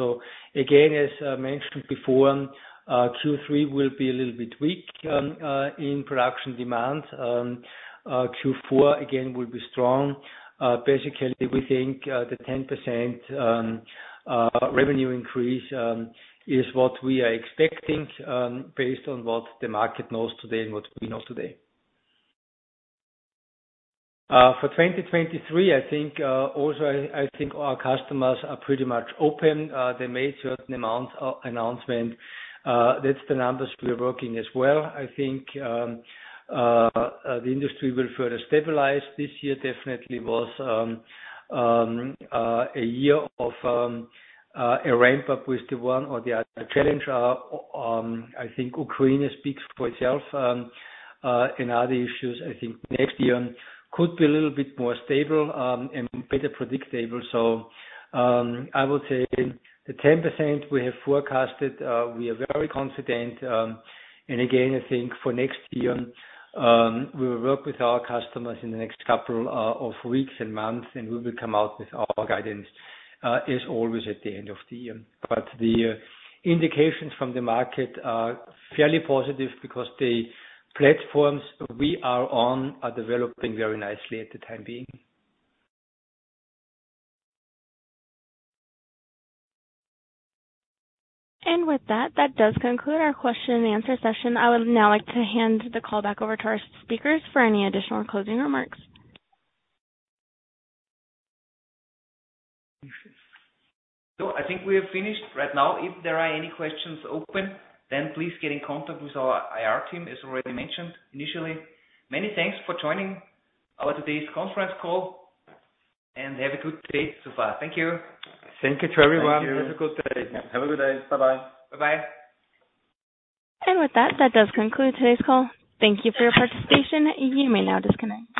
[SPEAKER 3] Again, as mentioned before, Q3 will be a little bit weak in production demand. Q4 again will be strong. Basically, we think the 10% revenue increase is what we are expecting based on what the market knows today and what we know today. For 2023, I think also our customers are pretty much open. They made certain announcements. That's the numbers we're working with as well. I think the industry will further stabilize. This year definitely was a year of a ramp up with the one or the other challenge. I think Ukraine speaks for itself. In other issues, I think next year could be a little bit more stable and better predictable. I would say the 10% we have forecasted. We are very confident. Again, I think for next year, we will work with our customers in the next couple of weeks and months, and we will come out with our guidance, as always at the end of the year. But the indications from the market are fairly positive because the platforms we are on are developing very nicely at the time being.
[SPEAKER 1] With that does conclude our question and answer session. I would now like to hand the call back over to our speakers for any additional closing remarks.
[SPEAKER 2] I think we are finished right now. If there are any questions open, then please get in contact with our IR team, as already mentioned initially. Many thanks for joining our today's conference call and have a good day so far. Thank you.
[SPEAKER 3] Thank you to everyone.
[SPEAKER 4] Thank you.
[SPEAKER 3] Have a good day.
[SPEAKER 2] Have a good day. Bye-bye.
[SPEAKER 3] Bye-bye.
[SPEAKER 1] With that does conclude today's call. Thank you for your participation. You may now disconnect.